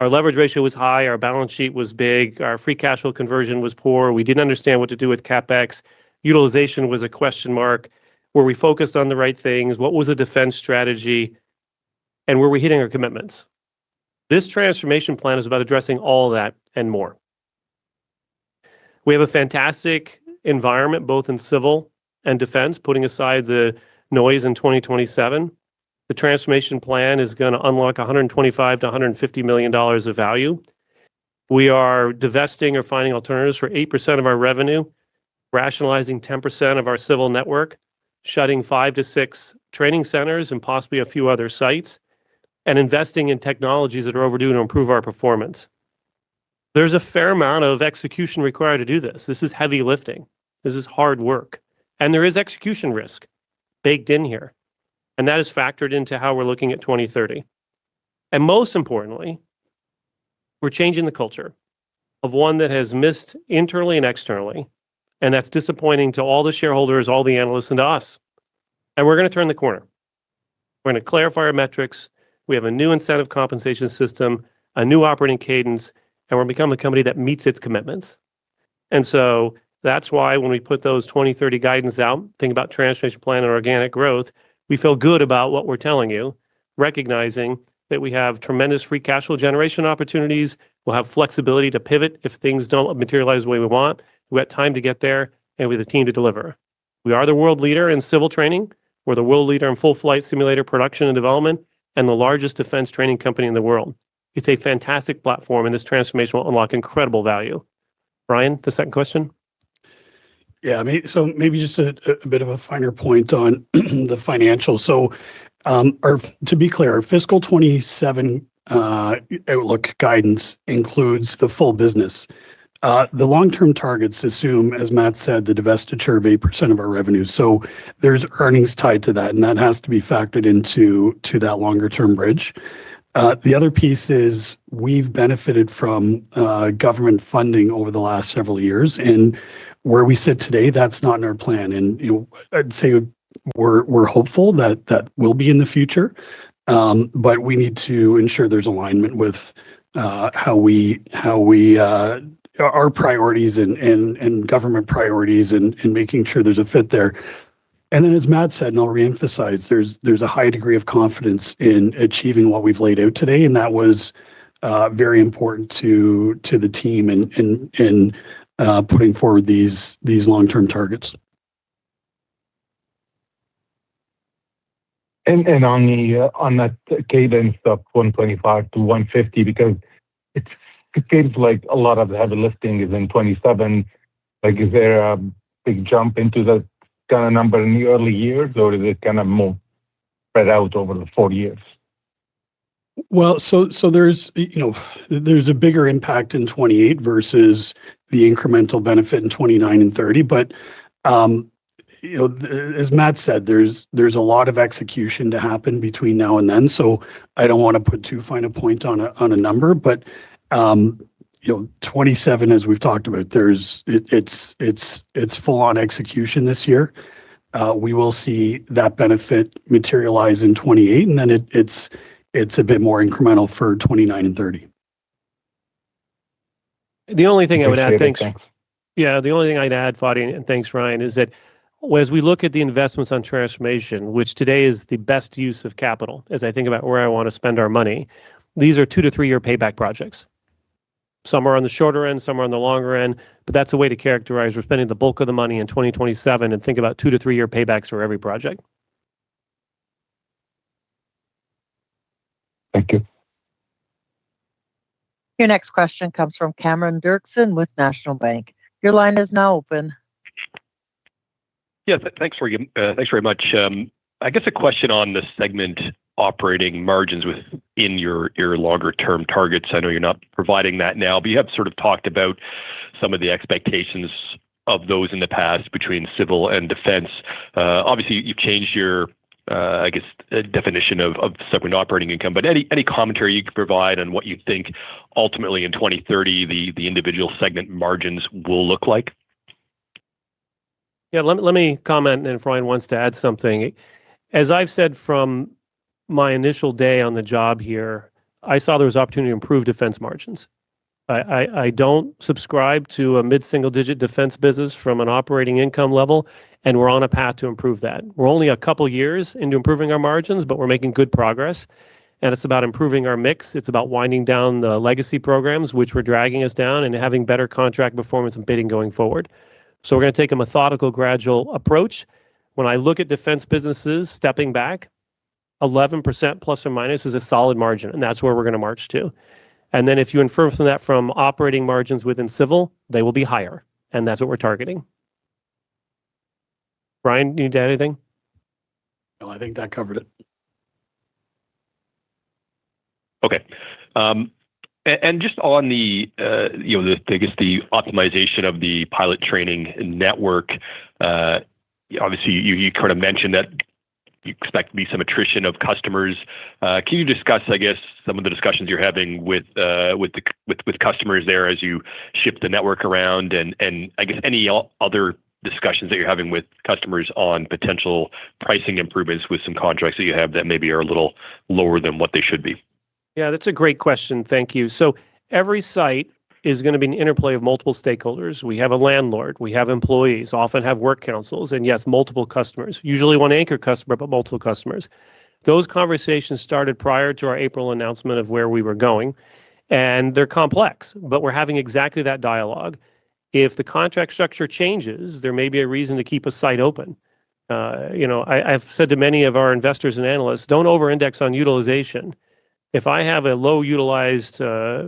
Our leverage ratio was high, our balance sheet was big, our free cash flow conversion was poor. We didn't understand what to do with CapEx. Utilization was a question mark. Were we focused on the right things? What was the Defence strategy? Were we hitting our commitments? This transformation plan is about addressing all that and more. We have a fantastic environment both in Civil and Defence, putting aside the noise in 2027. The transformation plan is going to unlock 125 million-150 million dollars of value. We are divesting or finding alternatives for 8% of our revenue, rationalizing 10% of our civil network, shutting five to six training centers and possibly a few other sites, and investing in technologies that are overdue to improve our performance. There's a fair amount of execution required to do this. This is heavy lifting. This is hard work. There is execution risk baked in here, and that is factored into how we're looking at 2030. Most importantly, we're changing the culture of one that has missed internally and externally, and that's disappointing to all the shareholders, all the analysts, and to us. We're going to turn the corner. We're going to clarify our metrics. We have a new incentive compensation system, a new operating cadence, and we're becoming a company that meets its commitments. That's why when we put those 2030 guidance out, think about transformation plan and organic growth, we feel good about what we're telling you, recognizing that we have tremendous free cash flow generation opportunities. We'll have flexibility to pivot if things don't materialize the way we want. We've got time to get there, and we have the team to deliver. We are the world leader in civil training. We're the world leader in full flight simulator production and development and the largest defence training company in the world. It's a fantastic platform, and this transformation will unlock incredible value. Ryan, the second question? Yeah. Maybe just a bit of a finer point on the financials. To be clear, fiscal 2027 outlook guidance includes the full business. The long-term targets assume, as Matt said, the divestiture of 8% of our revenue. There's earnings tied to that, and that has to be factored into that longer-term bridge. The other piece is we've benefited from government funding over the last several years, and where we sit today, that's not in our plan. I'd say we're hopeful that that will be in the future, but we need to ensure there's alignment with our priorities and government priorities and making sure there's a fit there. As Matt said, and I'll reemphasize, there's a high degree of confidence in achieving what we've laid out today, and that was very important to the team in putting forward these long-term targets. On that cadence of 125 million to 150 million, because it seems like a lot of the heavy lifting is in 2027, is there a big jump into that kind of number in the early years, or is it kind of more spread out over the four years? Well, there's a bigger impact in 2028 versus the incremental benefit in 2029 and 2030. As Matt said, there's a lot of execution to happen between now and then, so I don't want to put too fine a point on a number, but 2027, as we've talked about, it's full on execution this year. We will see that benefit materialize in 2028, it's a bit more incremental for 2029 and 2030. The only thing I would add, thanks. Okay. Great. Thanks. Yeah, the only thing I'd add, Fadi, and thanks, Ryan, is that as we look at the investments on transformation, which today is the best use of capital, as I think about where I want to spend our money, these are two to three year payback projects. Some are on the shorter end, some are on the longer end, but that's a way to characterize. We're spending the bulk of the money in 2027, and think about two to three year paybacks for every project. Thank you. Your next question comes from Cameron Doerksen with National Bank. Your line is now open. Yeah. Thanks very much. I guess a question on the segment operating margins within your longer-term targets. I know you're not providing that now. You have sort of talked about some of the expectations of those in the past between Civil and Defence. Obviously, you've changed your, I guess, definition of segment operating income. Any commentary you could provide on what you think ultimately in 2030 the individual segment margins will look like? Yeah, let me comment and if Ryan wants to add something. As I've said from my initial day on the job here, I saw there was opportunity to improve Defence margins. I don't subscribe to a mid-single-digit Defence business from an operating income level, and we're on a path to improve that. We're only a couple of years into improving our margins, but we're making good progress, and it's about improving our mix. It's about winding down the legacy programs which were dragging us down and having better contract performance and bidding going forward. We're going to take a methodical, gradual approach. When I look at Defence businesses, stepping back, 11% ± is a solid margin, and that's where we're going to march to. If you infer from that from operating margins within Civil, they will be higher, and that's what we're targeting. Ryan, you need to add anything? No, I think that covered it. Okay. Just on the, I guess, the optimization of the pilot training network, obviously, you kind of mentioned that you expect there to be some attrition of customers. Can you discuss, I guess, some of the discussions you're having with customers there as you ship the network around and, I guess, any other discussions that you're having with customers on potential pricing improvements with some contracts that you have that maybe are a little lower than what they should be? Yeah, that's a great question. Thank you. Every site is going to be an interplay of multiple stakeholders. We have a landlord, we have employees, often have work councils, and yes, multiple customers. Usually one anchor customer, but multiple customers. Those conversations started prior to our April announcement of where we were going. They're complex, but we're having exactly that dialogue. If the contract structure changes, there may be a reason to keep a site open. I've said to many of our investors and analysts, don't over-index on utilization. If I have a low-utilized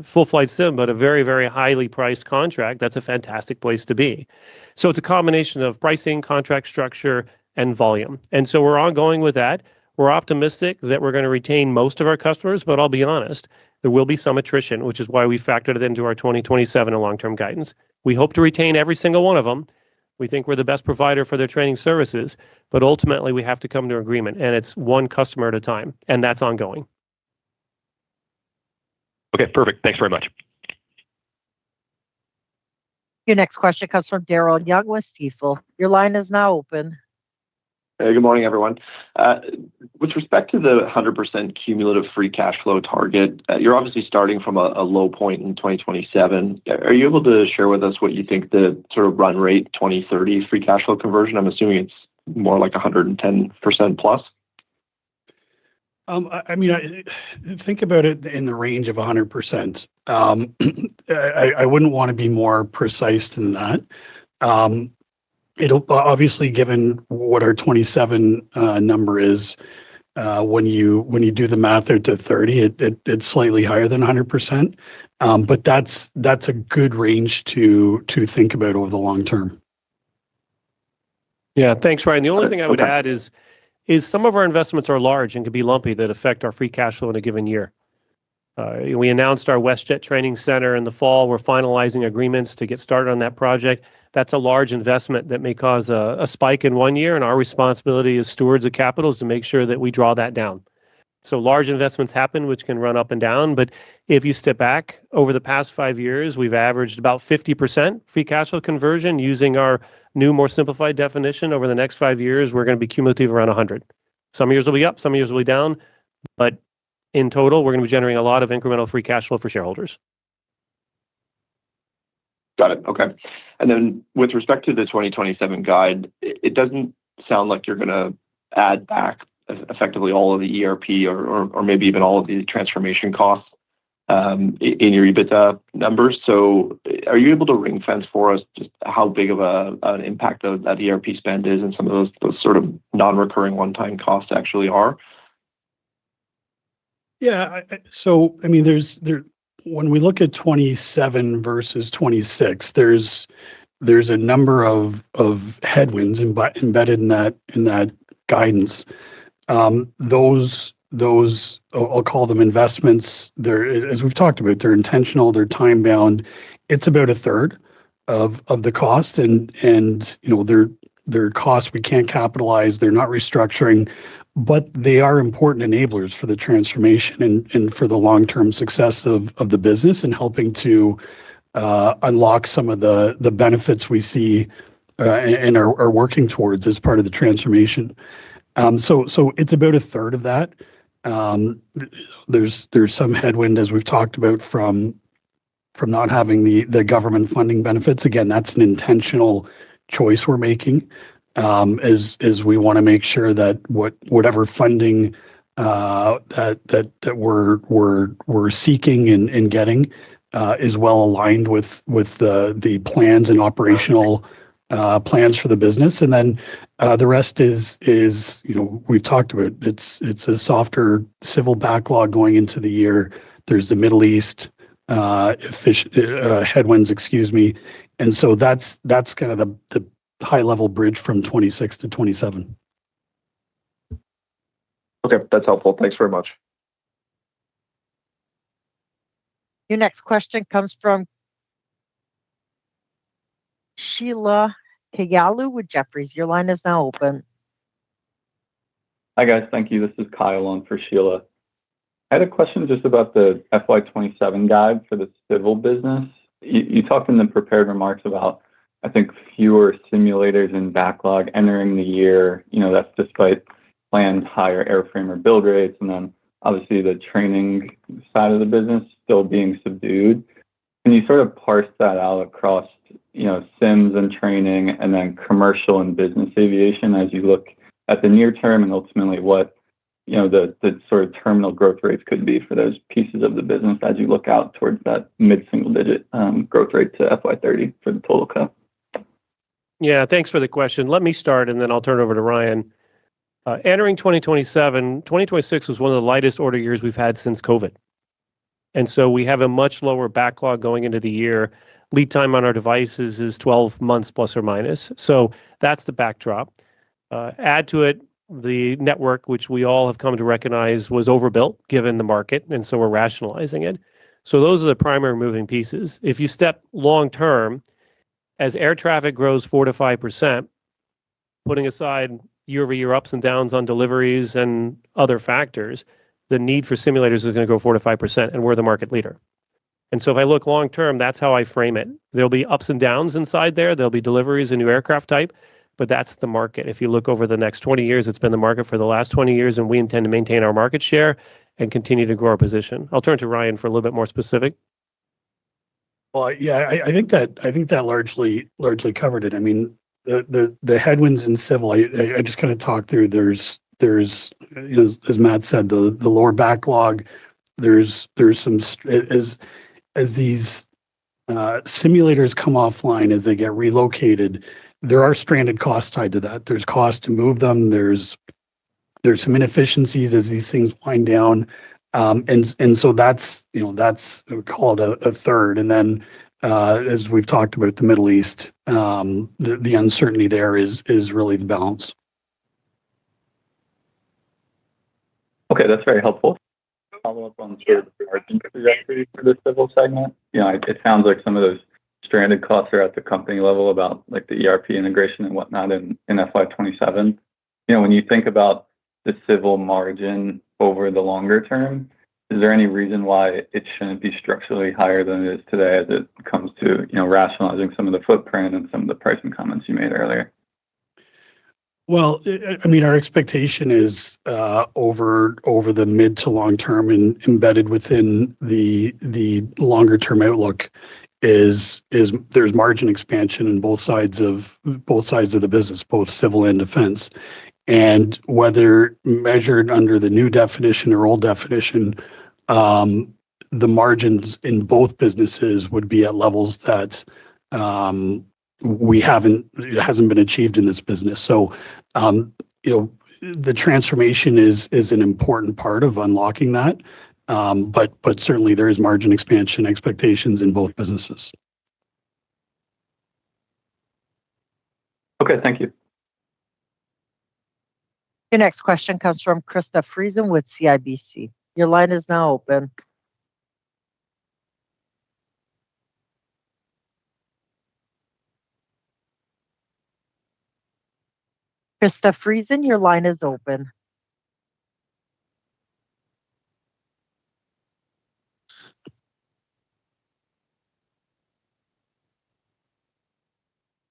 full flight simulator, but a very highly priced contract, that's a fantastic place to be. It's a combination of pricing, contract structure, and volume. We're ongoing with that. We're optimistic that we're going to retain most of our customers. I'll be honest, there will be some attrition, which is why we factored it into our 2027 long-term guidance. We hope to retain every single one of them. We think we're the best provider for their training services, but ultimately, we have to come to an agreement, and it's one customer at a time, and that's ongoing. Okay, perfect. Thanks very much. Your next question comes from Daryl Young with Stifel. Your line is now open. Hey, good morning, everyone. With respect to the 100% cumulative free cash flow target, you're obviously starting from a low point in 2027. Are you able to share with us what you think the sort of run-rate 2030 free cash flow conversion? I'm assuming it's more like 110% plus. Think about it in the range of 100%. I wouldn't want to be more precise than that. Obviously, given what our 2027 number is, when you do the math there to 2030, it's slightly higher than 100%, but that's a good range to think about over the long term. Yeah, thanks, Ryan. The only thing I would add is some of our investments are large and can be lumpy that affect our free cash flow in a given year. We announced our WestJet Training Center in the fall. We're finalizing agreements to get started on that project. That's a large investment that may cause a spike in one year, and our responsibility as stewards of capital is to make sure that we draw that down. Large investments happen, which can run up and down, but if you step back, over the past years, we've averaged about 50% free cash flow conversion using our new, more simplified definition. Over the next five years, we're going to be cumulative around 100%. Some years will be up, some years will be down, but in total, we're going to be generating a lot of incremental free cash flow for shareholders. Got it. Okay. With respect to the 2027 guide, it doesn't sound like you're going to add back effectively all of the ERP or maybe even all of the transformation costs in your EBITDA numbers. Are you able to ring-fence for us just how big of an impact that ERP spend is and some of those sort of non-recurring one-time costs actually are? When we look at 2027 versus 2026, there's a number of headwinds embedded in that guidance. Those, I'll call them investments, as we've talked about, they're intentional, they're time-bound. It's about a third of the cost. They're costs we can't capitalize, they're not restructuring, they are important enablers for the transformation and for the long-term success of the business and helping to unlock some of the benefits we see and are working towards as part of the transformation. It's about a third of that. There's some headwind, as we've talked about, from not having the government funding benefits. Again, that's an intentional choice we're making as we want to make sure that whatever funding that we're seeking and getting is well-aligned with the plans and operational plans for the business. The rest is, we've talked about, it's a softer civil backlog going into the year. There's the Middle East headwinds, excuse me. That's kind of the high-level bridge from 2026 to 2027. Okay. That's helpful. Thanks very much. Your next question comes from Sheila Kahyaoglu with Jefferies. Your line is now open. Hi, guys. Thank you. This is Kyle on for Sheila. I had a question just about the FY 2027 guide for the Civil Business. You talked in the prepared remarks about, I think, fewer simulators in backlog entering the year. That's despite planned higher airframer build rates, and then obviously the training side of the business still being subdued. Can you sort of parse that out across sims and training and then commercial and business aviation as you look at the near term and ultimately what the sort of terminal growth rates could be for those pieces of the business as you look out towards that mid-single digit growth rate to FY 2030 for the total CAE? Yeah. Thanks for the question. Let me start, and then I'll turn it over to Ryan. Entering 2027, 2026 was one of the lightest order years we've had since COVID. We have a much lower backlog going into the year. Lead time on our devices is 12 months±. That's the backdrop. Add to it, the network, which we all have come to recognize was overbuilt given the market, and we're rationalizing it. Those are the primary moving pieces. If you step long term, as air traffic grows 4%-5%, putting aside year-over-year ups and downs on deliveries and other factors, the need for simulators is going to grow 4%-5%, and we're the market leader. If I look long term, that's how I frame it. There'll be ups and downs inside there. There'll be deliveries of new aircraft type, but that's the market. If you look over the next 20 years, it's been the market for the last 20 years, and we intend to maintain our market share and continue to grow our position. I'll turn to Ryan for a little bit more specific. I think that largely covered it. I mean, the headwinds in Civil, I just kind of talked through. There's, as Matt said, the lower backlog. As these simulators come offline, as they get relocated, there are stranded costs tied to that. There's cost to move them, there's some inefficiencies as these things wind down. That's called a third, and then as we've talked about, the Middle East, the uncertainty there is really the balance. Okay, that's very helpful. A follow-up on sort of the margin trajectory for the Civil segment. It sounds like some of those stranded costs are at the company level about the ERP integration and whatnot in FY 2027. When you think about the Civil margin over the longer term, is there any reason why it shouldn't be structurally higher than it is today as it comes to rationalizing some of the footprint and some of the pricing comments you made earlier? Well, our expectation is over the mid- to long-term and embedded within the longer-term outlook is there's margin expansion in both sides of the business, both Civil and Defence. Whether measured under the new definition or old definition, the margins in both businesses would be at levels that hasn't been achieved in this business. The transformation is an important part of unlocking that, but certainly there is margin expansion expectations in both businesses. Okay. Thank you. Your next question comes from Krista Friesen with CIBC. Your line is now open. Krista Friesen, your line is open.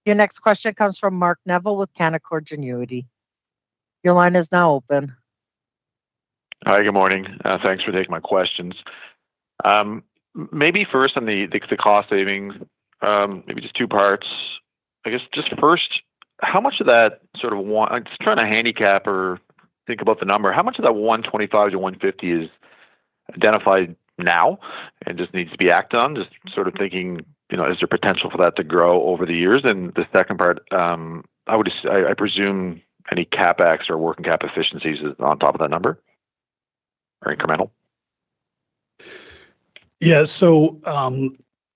Your next question comes from Mark Neville with Canaccord Genuity. Your line is now open. Hi. Good morning. Thanks for taking my questions. First on the cost savings, maybe just two parts. I guess, just first, how much of that I'm just trying to handicap or think about the number. How much of that 125 million-150 million is identified now and just needs to be acted on? Just sort of thinking, is there potential for that to grow over the years? The second part, I presume any CapEx or working capital efficiencies is on top of that number or incremental?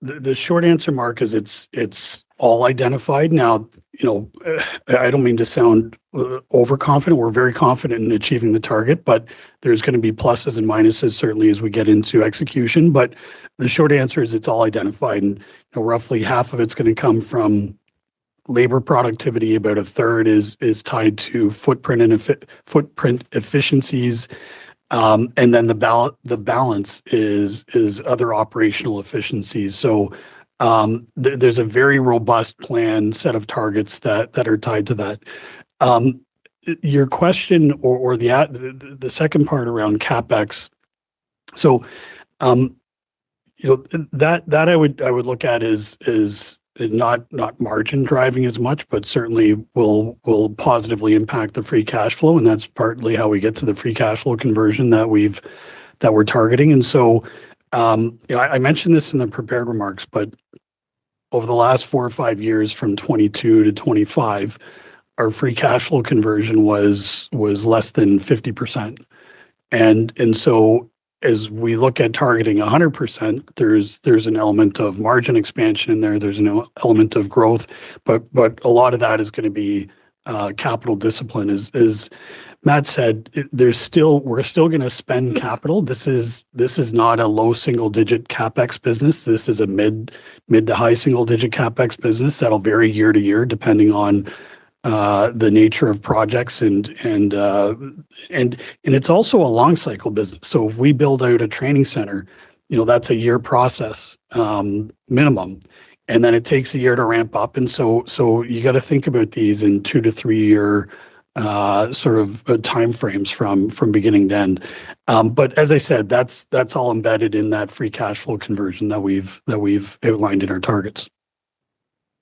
The short answer, Mark, is it's all identified now. I don't mean to sound overconfident. We're very confident in achieving the target, there's going to be pluses and minuses, certainly, as we get into execution. The short answer is it's all identified, roughly half of it's going to come from labor productivity, about a third is tied to footprint efficiencies, the balance is other operational efficiencies. There's a very robust plan set of targets that are tied to that. Your question, or the second part around CapEx, that I would look at as not margin-driving as much, certainly will positively impact the free cash flow, that's partly how we get to the free cash flow conversion that we're targeting. I mentioned this in the prepared remarks, but over the last four or five years, from 2022 to 2025, our free cash flow conversion was less than 50%. As we look at targeting 100%, there's an element of margin expansion in there. There's an element of growth, but a lot of that is going to be capital discipline. As Matt said, we're still going to spend capital. This is not a low single-digit CapEx business. This is a mid to high single-digit CapEx business that'll vary year-to-year depending on the nature of projects, and it's also a long cycle business. If we build out a training center, that's a year process, minimum, and then it takes a year to ramp-up. You got to think about these in two-to three- year time frames from beginning to end. As I said, that's all embedded in that free cash flow conversion that we've outlined in our targets.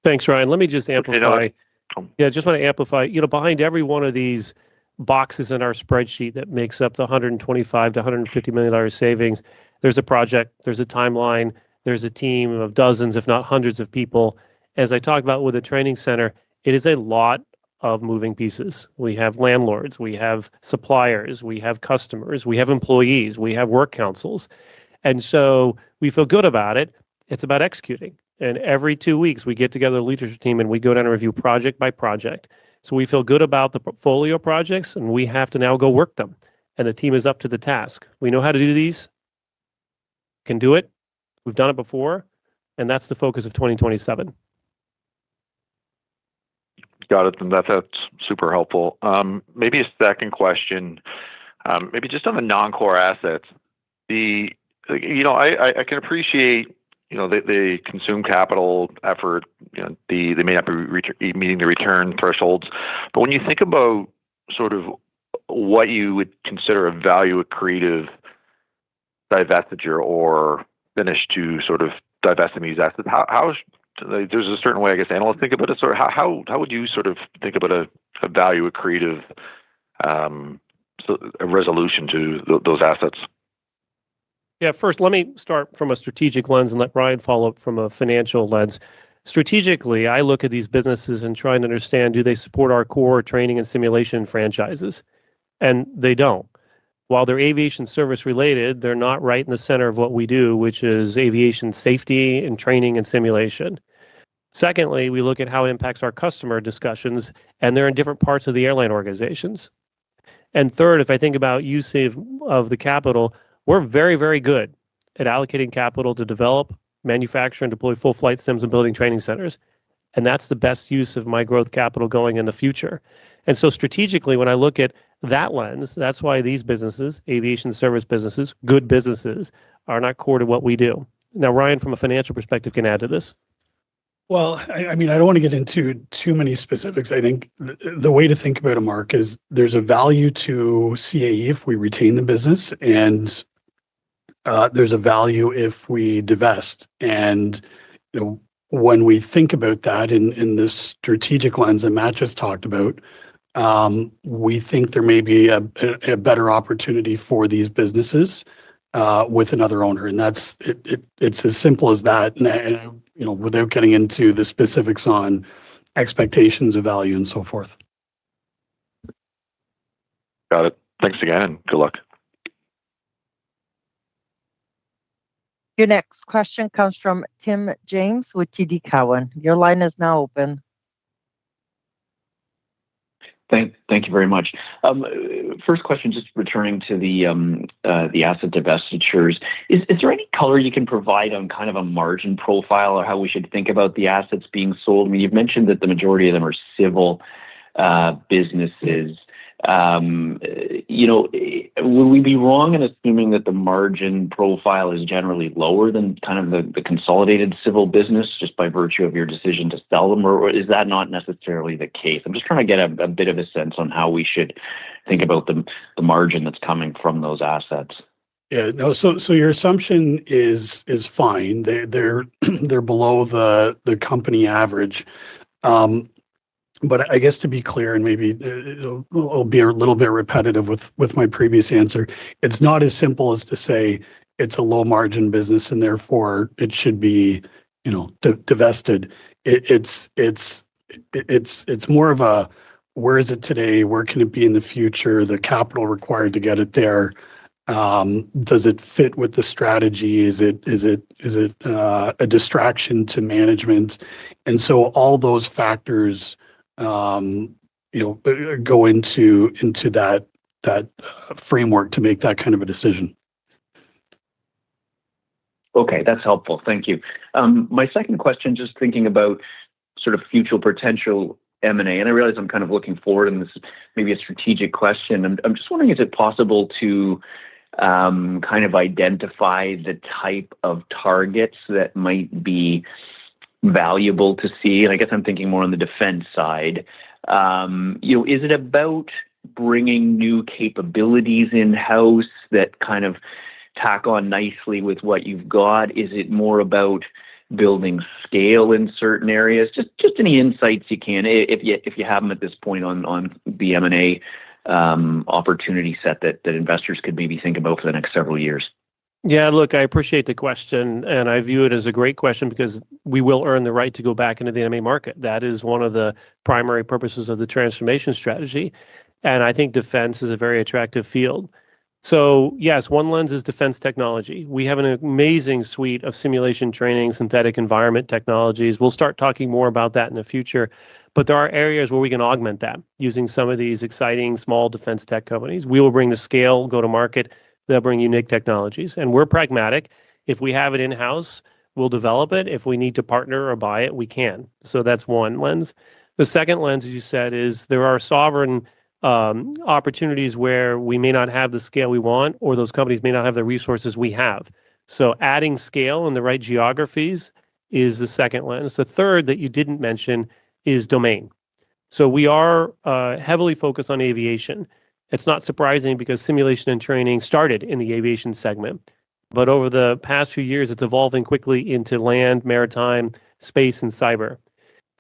Thanks, Ryan. Let me just amplify. I just want to amplify. Behind every one of these boxes in our spreadsheet that makes up the 125 million dollar to 150 million dollar savings, there is a project, there is a timeline, there is a team of dozens, if not hundreds of people. As I talked about with the training center, it is a lot of moving pieces. We have landlords, we have suppliers, we have customers, we have employees, we have work councils, and so we feel good about it. It is about executing. Every two weeks, we get together, the leadership team, and we go down and review project-by-project. We feel good about the portfolio projects, and we have to now go work them, and the team is up to the task. We know how to do these, can do it, we have done it before, and that is the focus of 2027. Got it. That's super helpful. Maybe a second question, maybe just on the non-core assets. I can appreciate they consume capital, effort, they may not be meeting the return thresholds, but when you think about sort of what you would consider a value-accretive divestiture or finish to sort of divesting these assets, there's a certain way, I guess, analysts think about it, so how would you sort of think about a value-accretive resolution to those assets? First, let me start from a strategic lens and let Ryan follow up from a financial lens. Strategically, I look at these businesses and try and understand, do they support our core training and simulation franchises? They don't. While they're aviation service related, they're not right in the center of what we do, which is aviation safety and training and simulation. Secondly, we look at how it impacts our customer discussions, and they're in different parts of the airline organizations. Third, if I think about use of the capital, we're very good at allocating capital to develop, manufacture, and deploy full-flight sims and building training centers, and that's the best use of my growth capital going in the future. Strategically, when I look at that lens, that's why these businesses, aviation service businesses, good businesses, are not core to what we do. Now, Ryan, from a financial perspective, can add to this. I don't want to get into too many specifics. I think the way to think about it, Mark, is there's a value to CAE if we retain the business, and there's a value if we divest. When we think about that in this strategic lens that Matt just talked about, we think there may be a better opportunity for these businesses with another owner. It's as simple as that, without getting into the specifics on expectations of value and so forth. Got it. Thanks again. Good luck. Your next question comes from Tim James with TD Cowen. Your line is now open. Thank you very much. First question, just returning to the asset divestitures. Is there any color you can provide on a margin profile or how we should think about the assets being sold? You've mentioned that the majority of them are Civil businesses. Would we be wrong in assuming that the margin profile is generally lower than the consolidated Civil business, just by virtue of your decision to sell them, or is that not necessarily the case? I'm just trying to get a bit of a sense on how we should think about the margin that's coming from those assets. Your assumption is fine. They're below the company average. I guess to be clear, and maybe it'll be a little bit repetitive with my previous answer, it's not as simple as to say it's a low-margin business and therefore it should be divested. It's more of a where is it today, where can it be in the future, the capital required to get it there, does it fit with the strategy, is it a distraction to management? All those factors go into that framework to make that kind of a decision. Okay, that's helpful. Thank you. My second question, just thinking about future potential M&A, and I realize I'm looking forward, and this is maybe a strategic question. I'm just wondering, is it possible to identify the type of targets that might be valuable to CAE? I guess I'm thinking more on the Defence side. Is it about bringing new capabilities in-house that tack on nicely with what you've got? Is it more about building scale in certain areas? Just any insights you can, if you have them at this point on the M&A opportunity set that investors could maybe think about for the next several years. Look, I appreciate the question. I view it as a great question because we will earn the right to go back into the M&A market. That is one of the primary purposes of the transformation strategy. I think Defence is a very attractive field. Yes, one lens is Defence technology. We have an amazing suite of simulation training, synthetic environment technologies. We'll start talking more about that in the future, but there are areas where we can augment that using some of these exciting small Defence tech companies. We will bring the scale, go to market, they'll bring unique technologies. We're pragmatic. If we have it in-house, we'll develop it. If we need to partner or buy it, we can. That's one lens. The second lens, as you said, is there are sovereign opportunities where we may not have the scale we want, or those companies may not have the resources we have. Adding scale in the right geographies is the second lens. The third that you didn't mention is domain. We are heavily focused on aviation. It's not surprising because simulation and training started in the aviation segment. Over the past few years, it's evolving quickly into land, maritime, space, and cyber.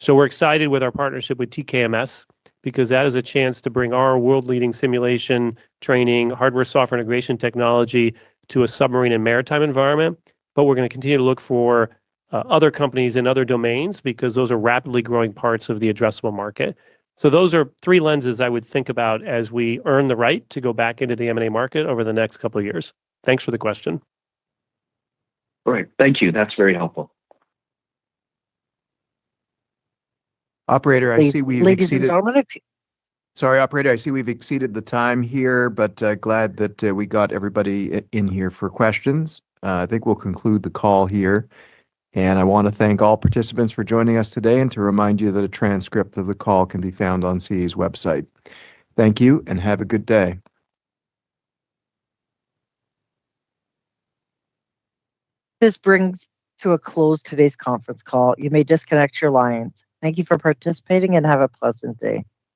We're excited with our partnership with TKMS because that is a chance to bring our world-leading simulation training, hardware, software integration technology to a submarine and maritime environment. We're going to continue to look for other companies in other domains because those are rapidly growing parts of the addressable market. Those are three lenses I would think about as we earn the right to go back into the M&A market over the next couple of years. Thanks for the question. Great. Thank you. That's very helpful. Operator, I see we've exceeded. Ladies and gentlemen. Sorry, operator, I see we've exceeded the time here, glad that we got everybody in here for questions. I think we'll conclude the call here. I want to thank all participants for joining us today and to remind you that a transcript of the call can be found on CAE's website. Thank you, have a good day. This brings to a close today's conference call. You may disconnect your lines. Thank you for participating, and have a pleasant day.